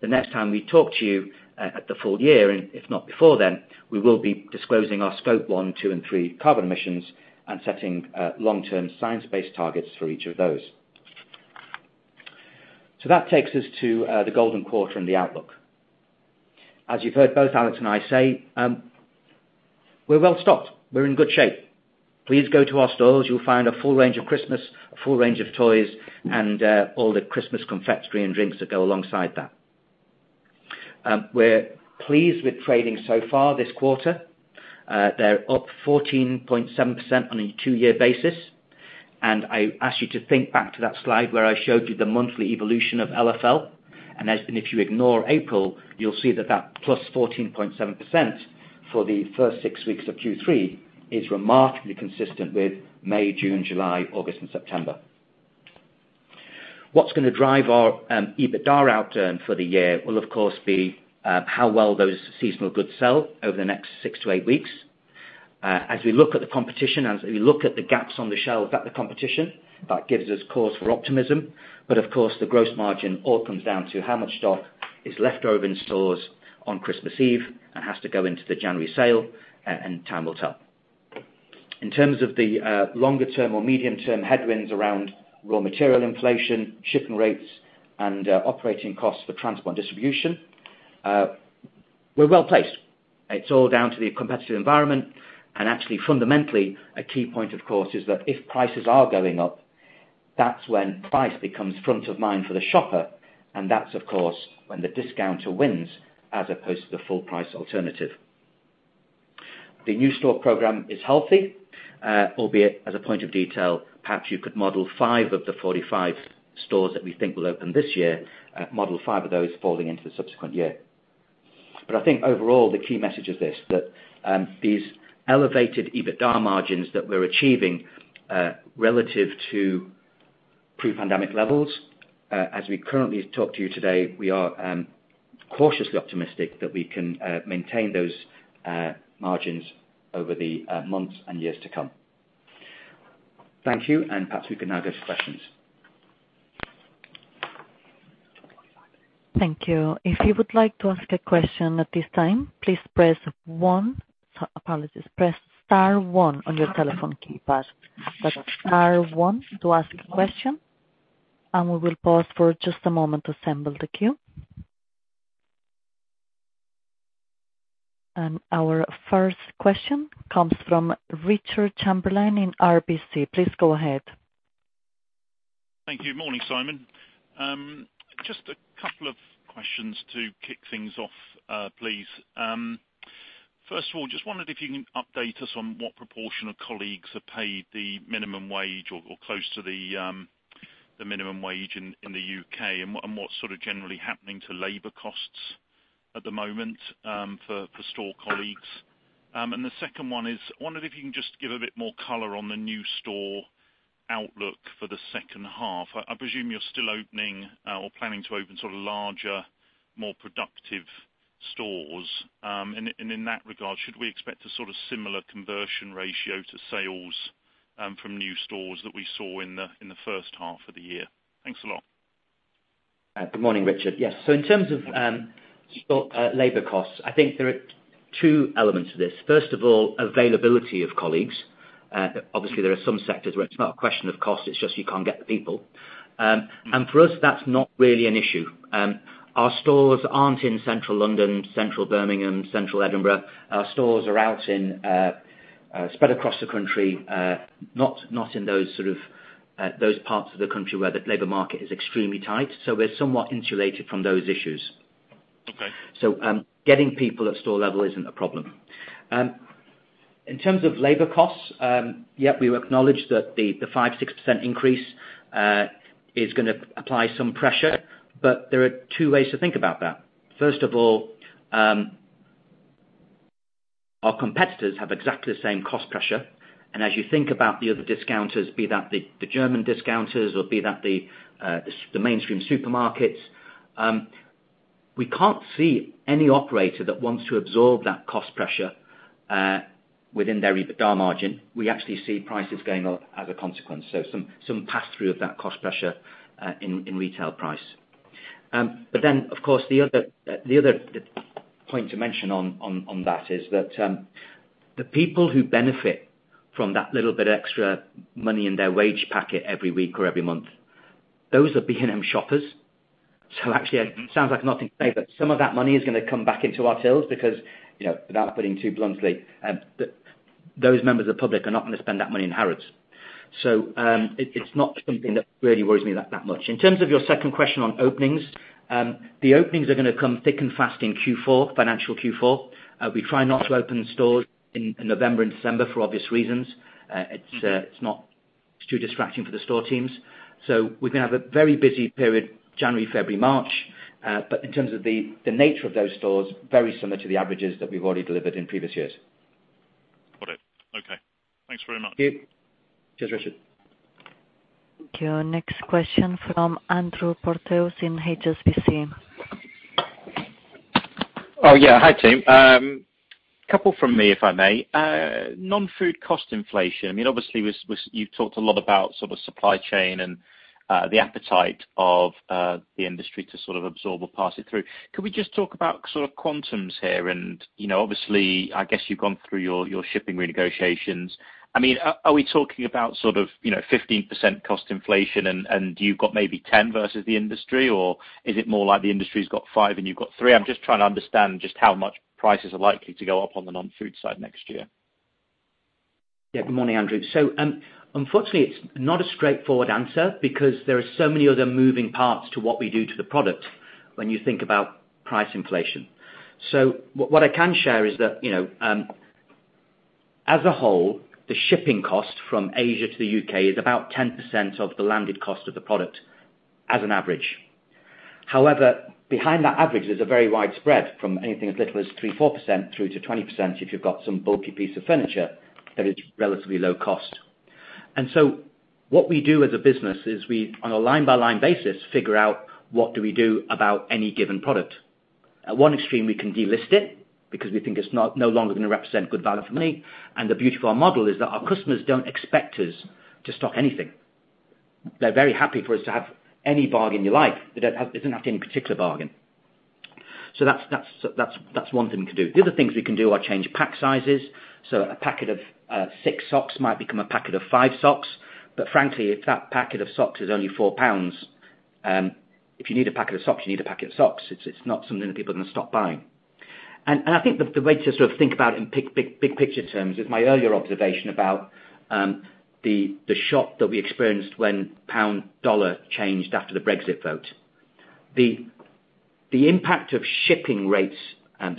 the next time we talk to you, at the full year, and if not before then, we will be disclosing our Scope 1, 2, and 3 carbon emissions and setting, long-term Science-Based Targets for each of those. That takes us to the golden quarter and the outlook. As you've heard both Alex and I say, we're well stocked, we're in good shape. Please go to our stores. You'll find a full range of Christmas, a full range of toys, and, all the Christmas confectionery and drinks that go alongside that. We're pleased with trading so far this quarter. They're up 14.7% on a two-year basis. I ask you to think back to that slide where I showed you the monthly evolution of LFL. If you ignore April, you'll see that that plus 14.7% for the first six weeks of Q3 is remarkably consistent with May, June, July, August, and September. What's gonna drive our EBITDA outturn for the year will, of course, be how well those seasonal goods sell over the next six to eight weeks. As we look at the competition, as we look at the gaps on the shelves at the competition, that gives us cause for optimism. Of course, the gross margin all comes down to how much stock is left over in stores on Christmas Eve and has to go into the January sale, and time will tell. In terms of the longer term or medium-term headwinds around raw material inflation, shipping rates, and operating costs for transport and distribution, we're well-placed. It's all down to the competitive environment, and actually fundamentally, a key point, of course, is that if prices are going up, that's when price becomes front of mind for the shopper, and that's of course, when the discounter wins as opposed to the full price alternative. The new store program is healthy, albeit as a point of detail, perhaps you could model five of the 45 stores that we think will open this year, model five of those falling into the subsequent year. I think overall, the key message is this, that, these elevated EBITDA margins that we're achieving, relative to pre-pandemic levels, as we currently talk to you today, we are, cautiously optimistic that we can, maintain those, margins over the, months and years to come. Thank you, and perhaps we can now go to questions. Thank you. If you would like to ask a question at this time, please press star one on your telephone keypad. We will pause just for a moment to assemble the queue. Our first question comes from Richard Chamberlain in RBC. Please go ahead. Thank you. Morning, Simon. Just a couple of questions to kick things off, please. First of all, just wondered if you can update us on what proportion of colleagues are paid the minimum wage or close to the minimum wage in the U.K., and what's sort of generally happening to labor costs at the moment for store colleagues. The second one is, wondered if you can just give a bit more color on the new store outlook for the second half. I presume you're still opening or planning to open sort of larger, more productive stores, and in that regard, should we expect a sort of similar conversion ratio to sales from new stores that we saw in the first half of the year? Thanks a lot. Good morning, Richard. Yes. In terms of labor costs, I think there are two elements to this. First of all, availability of colleagues. Obviously there are some sectors where it's not a question of cost, it's just you can't get the people. For us, that's not really an issue. Our stores aren't in central London, central Birmingham, central Edinburgh. Our stores are out in spread across the country, not in those sort of those parts of the country where the labor market is extremely tight. We're somewhat insulated from those issues. Okay. Getting people at store level isn't a problem. In terms of labor costs, yep, we acknowledge that the 5%-6% increase is gonna apply some pressure, but there are two ways to think about that. First of all, our competitors have exactly the same cost pressure, and as you think about the other discounters, be that the German discounters or be that the mainstream supermarkets, we can't see any operator that wants to absorb that cost pressure within their EBITDA margin. We actually see prices going up as a consequence. Some pass-through of that cost pressure in retail price. Of course, the other point to mention on that is that the people who benefit from that little bit of extra money in their wage packet every week or every month, those are B&M shoppers. Actually, it sounds like nothing to say, but some of that money is gonna come back into our tills because, you know, without putting it too bluntly, those members of the public are not gonna spend that money in Harrods. It's not something that really worries me that much. In terms of your second question on openings, the openings are gonna come thick and fast in Q4, financial Q4. We try not to open stores in November and December for obvious reasons. It's too distracting for the store teams. We now have a very busy period, January, February, March. But in terms of the nature of those stores, very similar to the averages that we've already delivered in previous years. Got it. Okay. Thanks very much. Thank you. Cheers, Richard. Thank you. Next question from Andrew Porteous in HSBC. Oh, yeah. Hi, team. Couple from me, if I may. Non-food cost inflation, I mean, obviously you've talked a lot about sort of supply chain and the appetite of the industry to sort of absorb or pass it through. Could we just talk about sort of quantums here and, you know, obviously, I guess you've gone through your shipping renegotiations. I mean, are we talking about sort of, you know, 15% cost inflation and you've got maybe 10 versus the industry, or is it more like the industry's got five and you've got three? I'm just trying to understand just how much prices are likely to go up on the non-food side next year. Yeah. Good morning, Andrew. Unfortunately, it's not a straightforward answer because there are so many other moving parts to what we do to the product when you think about price inflation. What I can share is that, you know, as a whole, the shipping cost from Asia to the U.K. is about 10% of the landed cost of the product as an average. However, behind that average is a very wide spread from anything as little as 3%-4% through to 20% if you've got some bulky piece of furniture that is relatively low cost. What we do as a business is we, on a line-by-line basis, figure out what do we do about any given product. At one extreme, we can delist it because we think it's no longer gonna represent good value for money, and the beauty of our model is that our customers don't expect us to stock anything. They're very happy for us to have any bargain you like. They don't have to have any particular bargain. That's one thing we can do. The other things we can do are change pack sizes. A packet of six socks might become a packet of five socks. But frankly, if that packet of socks is only 4 pounds, if you need a packet of socks, you need a packet of socks. It's not something that people are gonna stop buying. I think the way to sort of think about in big picture terms is my earlier observation about the shock that we experienced when pound-dollar changed after the Brexit vote. The impact of shipping rates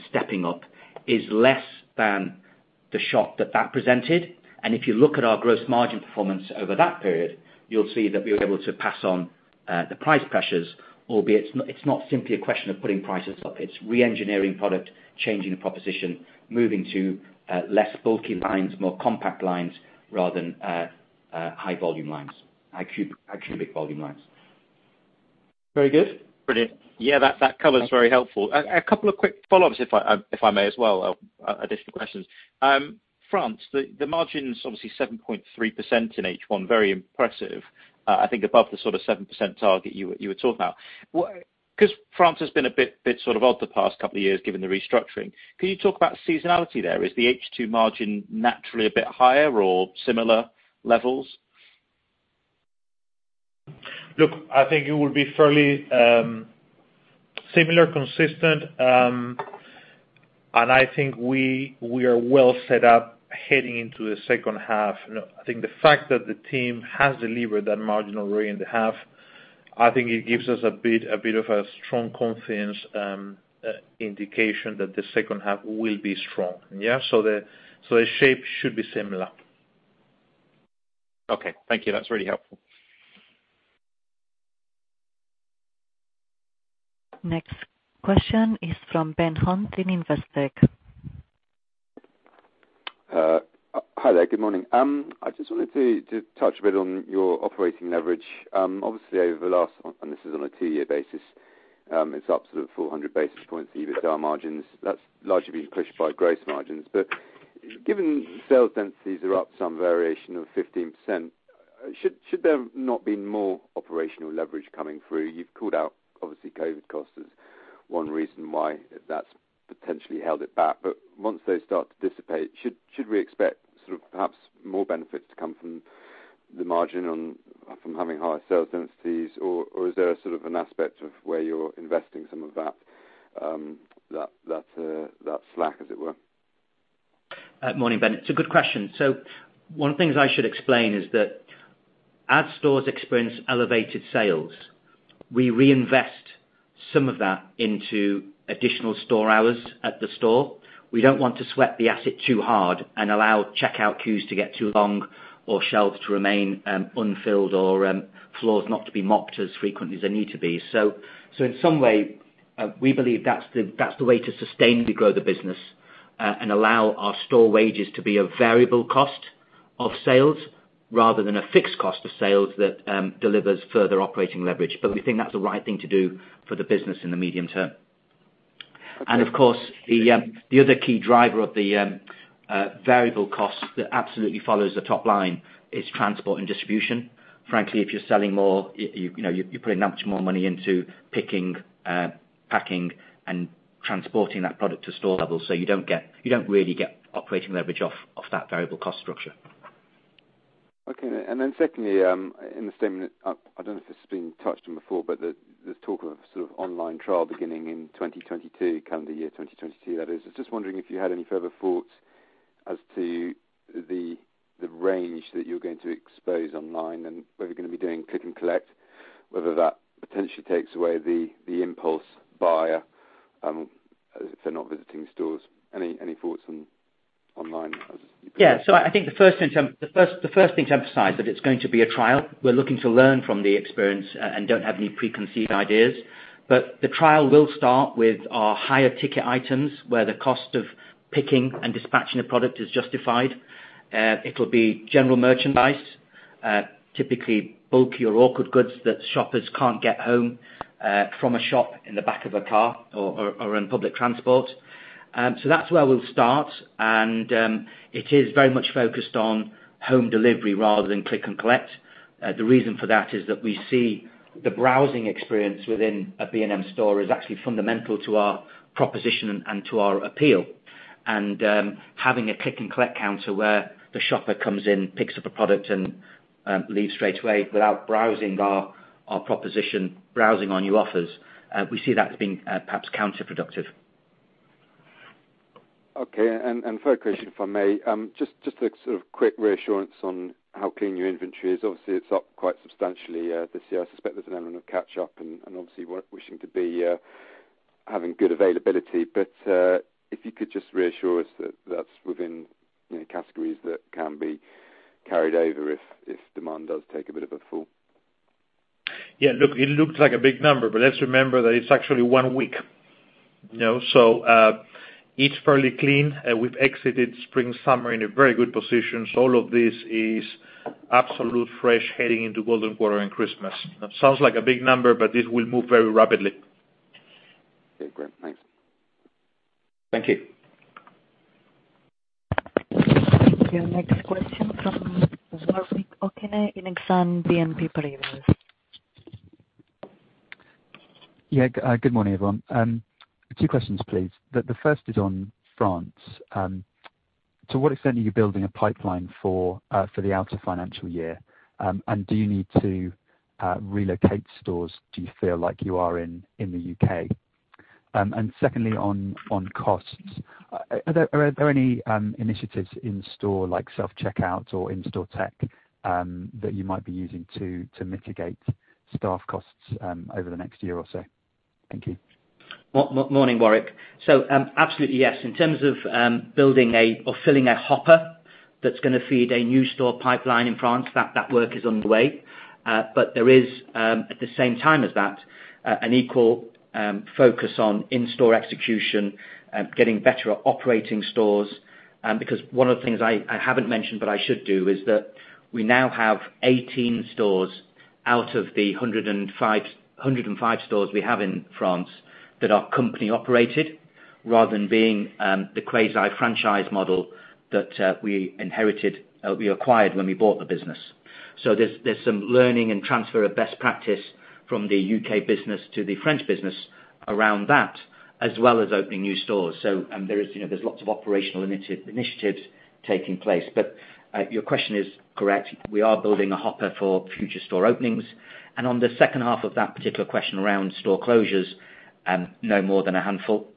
stepping up is less than the shock that presented. If you look at our gross margin performance over that period, you'll see that we were able to pass on the price pressures, albeit it's not simply a question of putting prices up. It's reengineering product, changing the proposition, moving to less bulky lines, more compact lines rather than high volume lines, cubic volume lines. Very good. Brilliant. Yeah, that cover is very helpful. A couple of quick follow-ups if I may as well, additional questions. France, the margins obviously 7.3% in H1, very impressive, I think above the sort of 7% target you were talking about. 'Cause France has been a bit sort of odd the past couple of years given the restructuring, can you talk about seasonality there? Is the H2 margin naturally a bit higher or similar levels? Look, I think it will be fairly similar, consistent. I think we are well set up heading into the second half. You know, I think the fact that the team has delivered that margin rate in the half, I think it gives us a bit of a strong confidence indication that the second half will be strong. Yeah, the shape should be similar. Okay, thank you. That's really helpful. Next question is from Ben Hunt in Investec. Hi there, good morning. I just wanted to touch a bit on your operating leverage. Obviously over the last, and this is on a two-year basis, it's up to 400 basis points, the EBITDA margins. That's largely been pushed by gross margins. Given sales densities are up some variation of 15%, should there have not been more operational leverage coming through? You've called out obviously COVID costs as one reason why that's potentially held it back. Once they start to dissipate, should we expect sort of perhaps more benefits to come from the margin on from having higher sales densities? Or is there a sort of an aspect of where you're investing some of that slack, as it were? Morning, Ben. It's a good question. One of the things I should explain is that as stores experience elevated sales, we reinvest some of that into additional store hours at the store. We don't want to sweat the asset too hard and allow checkout queues to get too long or shelves to remain unfilled or floors not to be mopped as frequently as they need to be. In some way, we believe that's the way to sustainably grow the business and allow our store wages to be a variable cost of sales rather than a fixed cost of sales that delivers further operating leverage. We think that's the right thing to do for the business in the medium term. Okay. Of course, the other key driver of the variable cost that absolutely follows the top line is transport and distribution. Frankly, if you're selling more, you know, you're putting that much more money into picking, packing and transporting that product to store level. You don't really get operating leverage off that variable cost structure. Okay. Secondly, in the statement, I don't know if this has been touched on before, but there's talk of sort of online trial beginning in 2022, calendar year 2022, that is. I was just wondering if you had any further thoughts as to the range that you're going to expose online and whether you're gonna be doing click and collect, whether that potentially takes away the impulse buyer if they're not visiting stores. Any thoughts on online as you- Yeah. I think the first thing to emphasize that it's going to be a trial. We're looking to learn from the experience, and don't have any preconceived ideas. The trial will start with our higher ticket items where the cost of picking and dispatching a product is justified. It'll be general merchandise, typically bulky or awkward goods that shoppers can't get home from a shop in the back of a car or on public transport. That's where we'll start, and it is very much focused on home delivery rather than click and collect. The reason for that is that we see the browsing experience within a B&M store is actually fundamental to our proposition and to our appeal. Having a click and collect counter where the shopper comes in, picks up a product and leaves straight away without browsing our proposition, browsing our new offers, we see that as being perhaps counterproductive. Okay. Third question, if I may, just a sort of quick reassurance on how clean your inventory is. Obviously, it's up quite substantially this year. I suspect there's an element of catch up and obviously we're wishing to be having good availability. If you could just reassure us that that's within, you know, categories that can be carried over if demand does take a bit of a fall. Look, it looks like a big number, but let's remember that it's actually one week. You know? It's fairly clean. We've exited spring/summer in a very good position. All of this is absolutely fresh heading into golden quarter and Christmas. It sounds like a big number, but this will move very rapidly. Okay, great. Thanks. Thank you. Your next question from Warwick Okines in Exane BNP Paribas. Yeah, good morning, everyone. Two questions, please. The first is on France. To what extent are you building a pipeline for the outer financial year? Do you need to relocate stores? Do you feel like you are in the U.K.? Secondly, on costs, are there any initiatives in store like self-checkout or in-store tech that you might be using to mitigate staff costs over the next year or so? Thank you. Morning, Warwick. Absolutely, yes. In terms of filling a hopper that's gonna feed a new store pipeline in France, that work is underway. There is, at the same time as that, an equal focus on in-store execution, getting better at operating stores. Because one of the things I haven't mentioned, but I should do, is that we now have 18 stores out of the 105 stores we have in France that are company operated rather than being the quasi-franchise model that we acquired when we bought the business. There's some learning and transfer of best practice from the U.K. business to the French business around that, as well as opening new stores. There is, you know, lots of operational initiatives taking place. Your question is correct. We are building a hopper for future store openings. On the second half of that particular question around store closures, no more than a handful.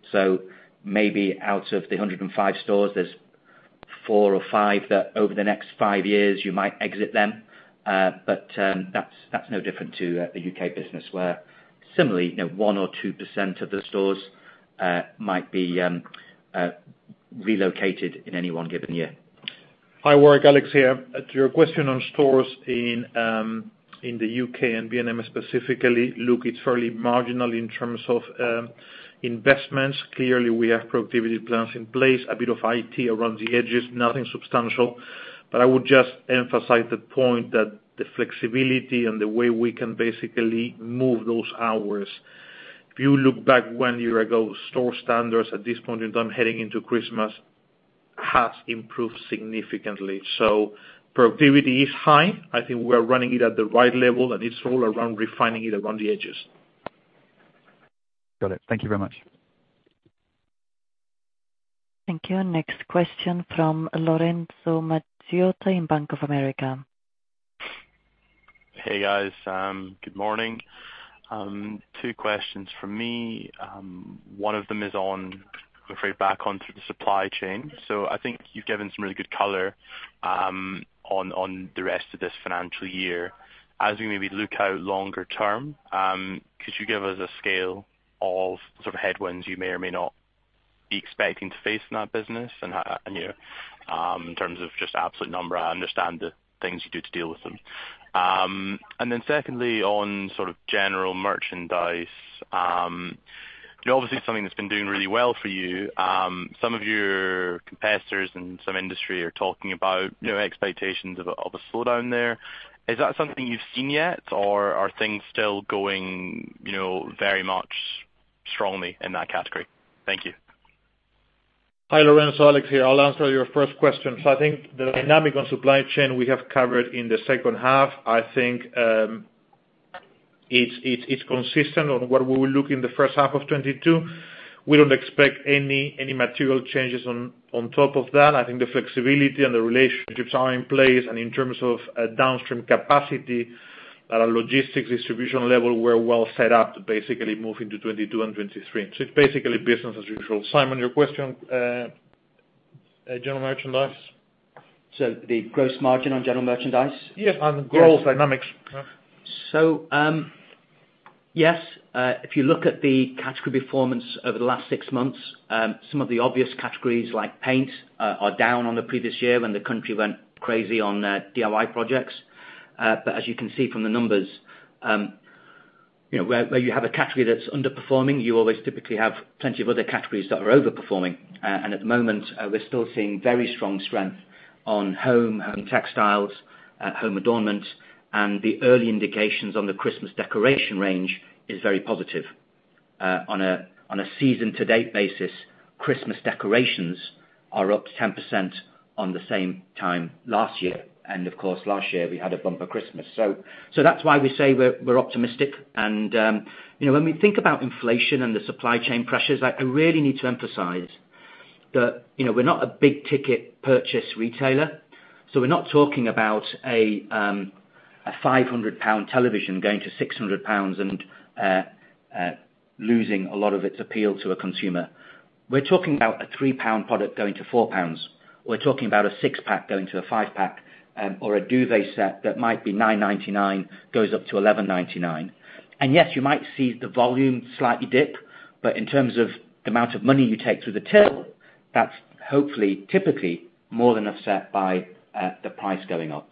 Maybe out of the 105 stores, there's four or five that over the next five years, you might exit them. That's no different to the U.K. business, where similarly, you know, 1% or 2% of the stores might be relocated in any one given year. Hi, Warwick, Alex here. To your question on stores in the U.K. and B&M specifically, look, it's fairly marginal in terms of investments. Clearly, we have productivity plans in place, a bit of IT around the edges, nothing substantial. I would just emphasize the point that the flexibility and the way we can basically move those hours. If you look back one year ago, store standards at this point in time heading into Christmas has improved significantly. Productivity is high. I think we're running it at the right level, and it's all around refining it around the edges. Got it. Thank you very much. Thank you. Next question from Lorenzo, Bank of America. Hey, guys, good morning. Two questions from me. One of them is on, I'm afraid, back onto the supply chain. I think you've given some really good color on the rest of this financial year. As we maybe look out longer term, could you give us a scale of the sort of headwinds you may or may not be expecting to face in that business and, you know, in terms of just absolute number? I understand the things you do to deal with them. Then secondly, on sort of general merchandise, you know, obviously something that's been doing really well for you. Some of your competitors and some industry are talking about, you know, expectations of a slowdown there. Is that something you've seen yet, or are things still going, you know, very much strongly in that category? Thank you. Hi, Lorenzo, Alex here. I'll answer your first question. I think the dynamic on supply chain we have covered in the second half. I think it's consistent on what we will look in the first half of 2022. We don't expect any material changes on top of that. I think the flexibility and the relationships are in place, and in terms of downstream capacity at a logistics distribution level, we're well set up to basically move into 2022 and 2023. It's basically business as usual. Simon, your question, general merchandise. The gross margin on general merchandise? Yes, on gross dynamics. Yes, if you look at the category performance over the last six months, some of the obvious categories like paint are down on the previous year when the country went crazy on DIY projects. As you can see from the numbers, you know, where you have a category that's underperforming, you always typically have plenty of other categories that are overperforming. At the moment, we're still seeing very strong on home textiles, home adornment, and the early indications on the Christmas decoration range is very positive. On a season to date basis, Christmas decorations are up 10% on the same time last year, and of course, last year we had a bumper Christmas. That's why we say we're optimistic and, you know, when we think about inflation and the supply chain pressures, I really need to emphasize that, you know, we're not a big ticket purchase retailer. We're not talking about a 500 pound television going to 600 pounds and losing a lot of its appeal to a consumer. We're talking about a 3 pound product going to 4 pounds. We're talking about a six-pack going to a five-pack, or a duvet set that might be 9.99, goes up to 11.99. Yes, you might see the volume slightly dip, but in terms of the amount of money you take through the till, that's hopefully, typically more than offset by the price going up.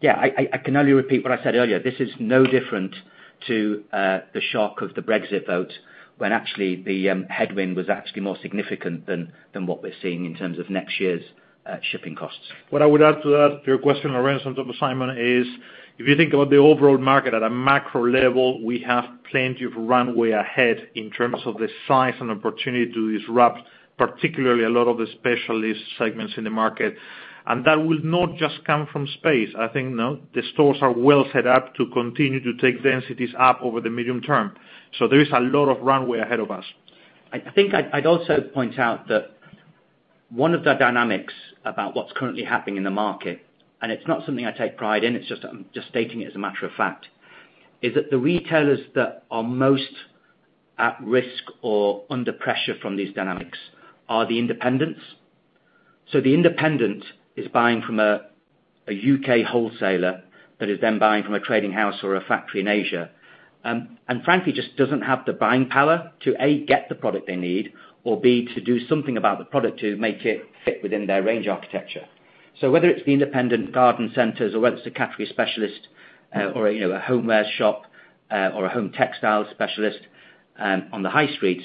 Yeah, I can only repeat what I said earlier. This is no different to the shock of the Brexit vote when actually the headwind was actually more significant than what we're seeing in terms of next year's shipping costs. What I would add to that, to your question, Lorenzo, on top of Simon, is if you think about the overall market at a macro level, we have plenty of runway ahead in terms of the size and opportunity to disrupt, particularly a lot of the specialist segments in the market. That will not just come from space. The stores are well set up to continue to take densities up over the medium term. There is a lot of runway ahead of us. I think I'd also point out that one of the dynamics about what's currently happening in the market, and it's not something I take pride in, it's just I'm just stating it as a matter of fact, is that the retailers that are most at risk or under pressure from these dynamics are the independents. The independent is buying from a U.K. wholesaler that is then buying from a trading house or a factory in Asia, and frankly just doesn't have the buying power to, A, get the product they need or, B, to do something about the product to make it fit within their range architecture. Whether it's the independent garden centers or whether it's a category specialist, or, you know, a homeware shop, or a home textile specialist, on the high street,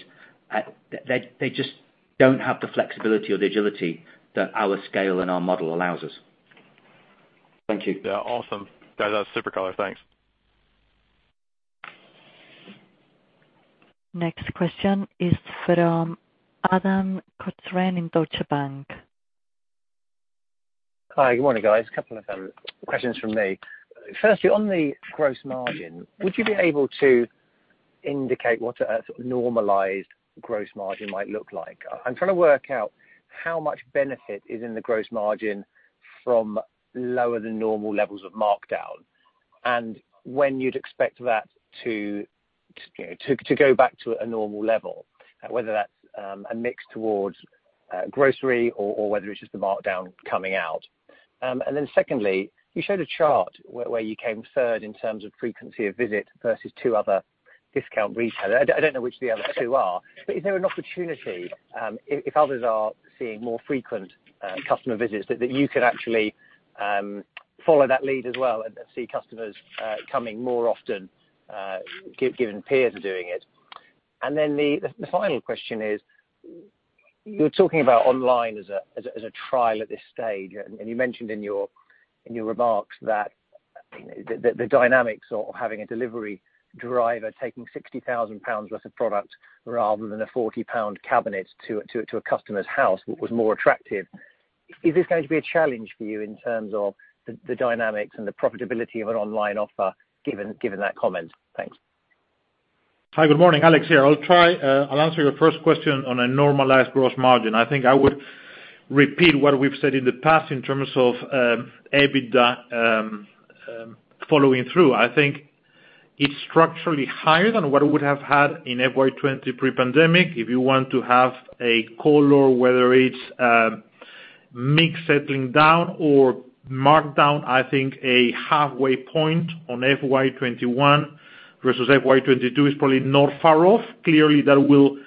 they just don't have the flexibility or agility that our scale and our model allows us. Thank you. Yeah, awesome. That was super color. Thanks. Next question is from Adam Cochrane in Deutsche Bank. Hi, good morning, guys. A couple of questions from me. Firstly, on the gross margin, would you be able to indicate what a normalized gross margin might look like? I'm trying to work out how much benefit is in the gross margin from lower than normal levels of markdown, and when you'd expect that to go back to a normal level, whether that's a mix towards grocery or whether it's just the markdown coming out. Secondly, you showed a chart where you came third in terms of frequency of visit versus two other discount retailers. I don't know which the other two are, but is there an opportunity, if others are seeing more frequent customer visits, that you could actually follow that lead as well and see customers coming more often, given peers are doing it? Then the final question is, you're talking about online as a trial at this stage, and you mentioned in your remarks that the dynamics of having a delivery driver taking 60,000 pounds worth of product rather than a 40 pound cabinet to a customer's house was more attractive. Is this going to be a challenge for you in terms of the dynamics and the profitability of an online offer given that comment? Thanks. Hi, good morning. Alex here. I'll try. I'll answer your first question on a normalized gross margin. I think I would repeat what we've said in the past in terms of EBITDA following through. I think it's structurally higher than what it would have had in FY 2020 pre-pandemic. If you want to have a color, whether it's mix settling down or markdown, I think a halfway point on FY 2021 versus FY 2022 is probably not far off. Clearly, that will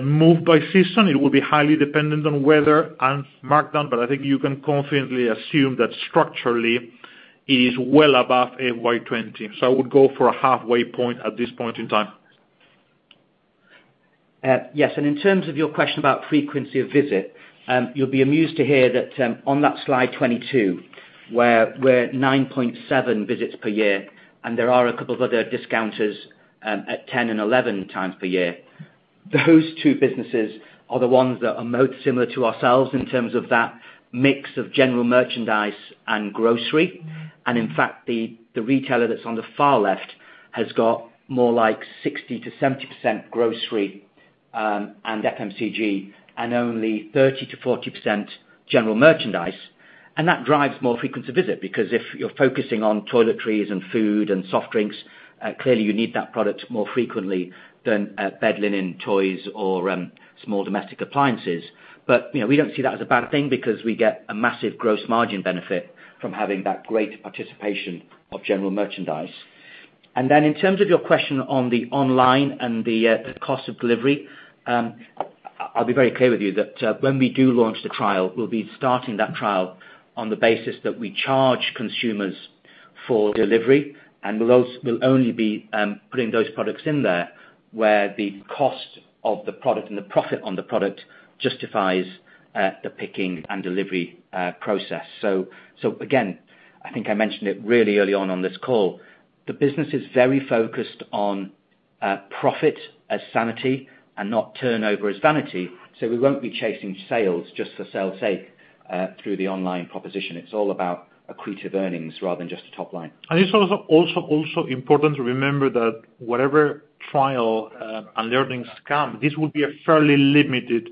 move by season. It will be highly dependent on weather and markdown, but I think you can confidently assume that structurally it is well above FY 2020. I would go for a halfway point at this point in time. Yes. In terms of your question about frequency of visit, you'll be amused to hear that on that slide 22, where 9.7 visits per year, and there are a couple of other discounters at 10 and 11x per year, those two businesses are the ones that are most similar to ourselves in terms of that mix of general merchandise and grocery. In fact, the retailer that's on the far left has got more like 60%-70% grocery and FMCG and only 30%-40% general merchandise. That drives more frequent visits because if you're focusing on toiletries and food and soft drinks, clearly you need that product more frequently than bed linen, toys or small domestic appliances. You know, we don't see that as a bad thing because we get a massive gross margin benefit from having that great participation of general merchandise. Then in terms of your question on the online and the cost of delivery, I'll be very clear with you that when we do launch the trial, we'll be starting that trial on the basis that we charge consumers for delivery, and we'll also only be putting those products in there where the cost of the product and the profit on the product justifies the picking and delivery process. So again, I think I mentioned it really early on this call, the business is very focused on profit as sanity and not turnover as vanity. We won't be chasing sales just for sale's sake through the online proposition. It's all about accretive earnings rather than just top line. It's also important to remember that whatever trial and learnings come, this will be a fairly limited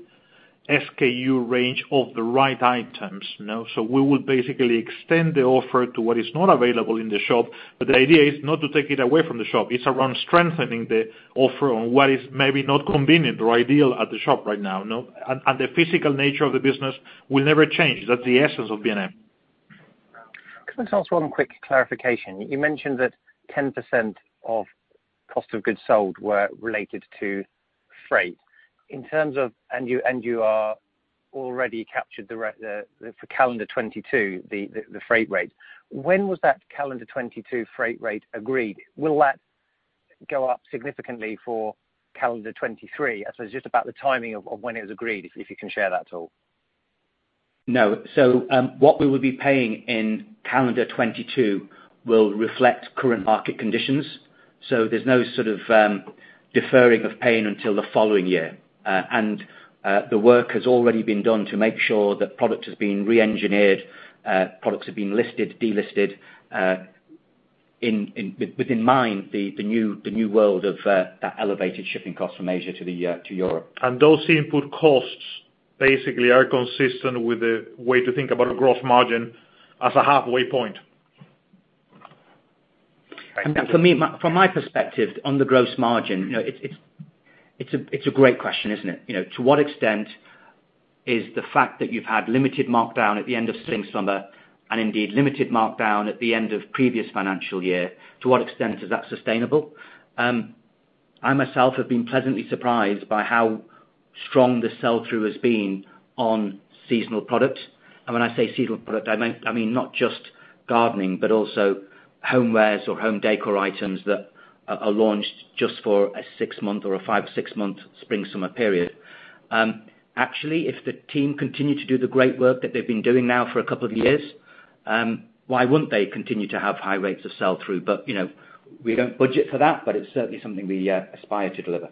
SKU range of the right items, you know. We would basically extend the offer to what is not available in the shop, but the idea is not to take it away from the shop. It's around strengthening the offer on what is maybe not convenient or ideal at the shop right now, you know. The physical nature of the business will never change. That's the essence of B&M. Can I just ask one quick clarification? You mentioned that 10% of cost of goods sold were related to freight. You've already captured the freight rate. When was that calendar 2022 freight rate agreed? Will that go up significantly for calendar 2023? It's just about the timing of when it was agreed, if you can share that at all. No, what we will be paying in calendar 2022 will reflect current market conditions. There's no sort of deferring of paying until the following year. The work has already been done to make sure that product has been re-engineered, products have been listed, delisted with the new world of the elevated shipping cost from Asia to Europe in mind. Those input costs basically are consistent with the way to think about gross margin as a halfway point. From my perspective on the gross margin, you know, it's a great question, isn't it? You know, to what extent is the fact that you've had limited markdown at the end of spring, summer, and indeed limited markdown at the end of previous financial year, to what extent is that sustainable? I myself have been pleasantly surprised by how strong the sell-through has been on seasonal products. When I say seasonal product, I mean, not just gardening, but also homewares or home decor items that are launched just for a six-month or a five, six-month spring, summer period. Actually, if the team continue to do the great work that they've been doing now for a couple of years, why wouldn't they continue to have high rates of sell-through? You know, we don't budget for that, but it's certainly something we aspire to deliver.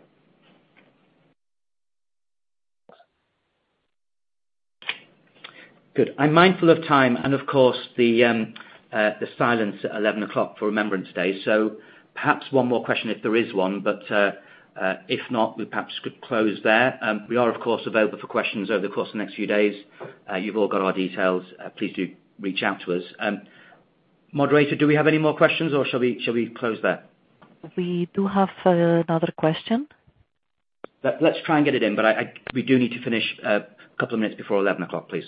Good. I'm mindful of time and of course, the silence at 11 o'clock for Remembrance Day. Perhaps one more question if there is one, but if not, we perhaps could close there. We are, of course, available for questions over the course of the next few days. You've all got our details. Please do reach out to us. Moderator, do we have any more questions or shall we close there? We do have another question. Let's try and get it in, but we do need to finish a couple of minutes before 11 o'clock, please.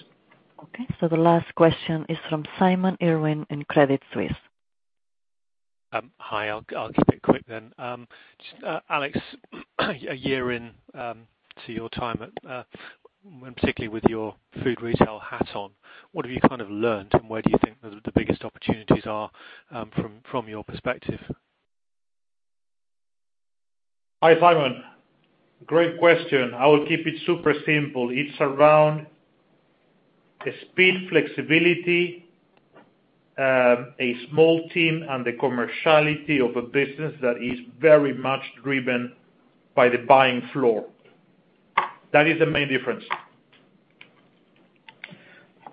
Okay. The last question is from Simon Irwin in Credit Suisse. Hi. I'll keep it quick then. Alex, a year into your time at, and particularly with your food retail hat on, what have you kind of learned, and where do you think the biggest opportunities are, from your perspective? Hi, Simon. Great question. I will keep it super simple. It's around the speed, flexibility, a small team and the commerciality of a business that is very much driven by the buying floor. That is the main difference.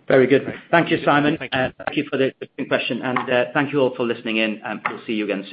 Very good. Thank you, Simon. Thank you. Thank you for the interesting question. Thank you all for listening in, and we'll see you again soon.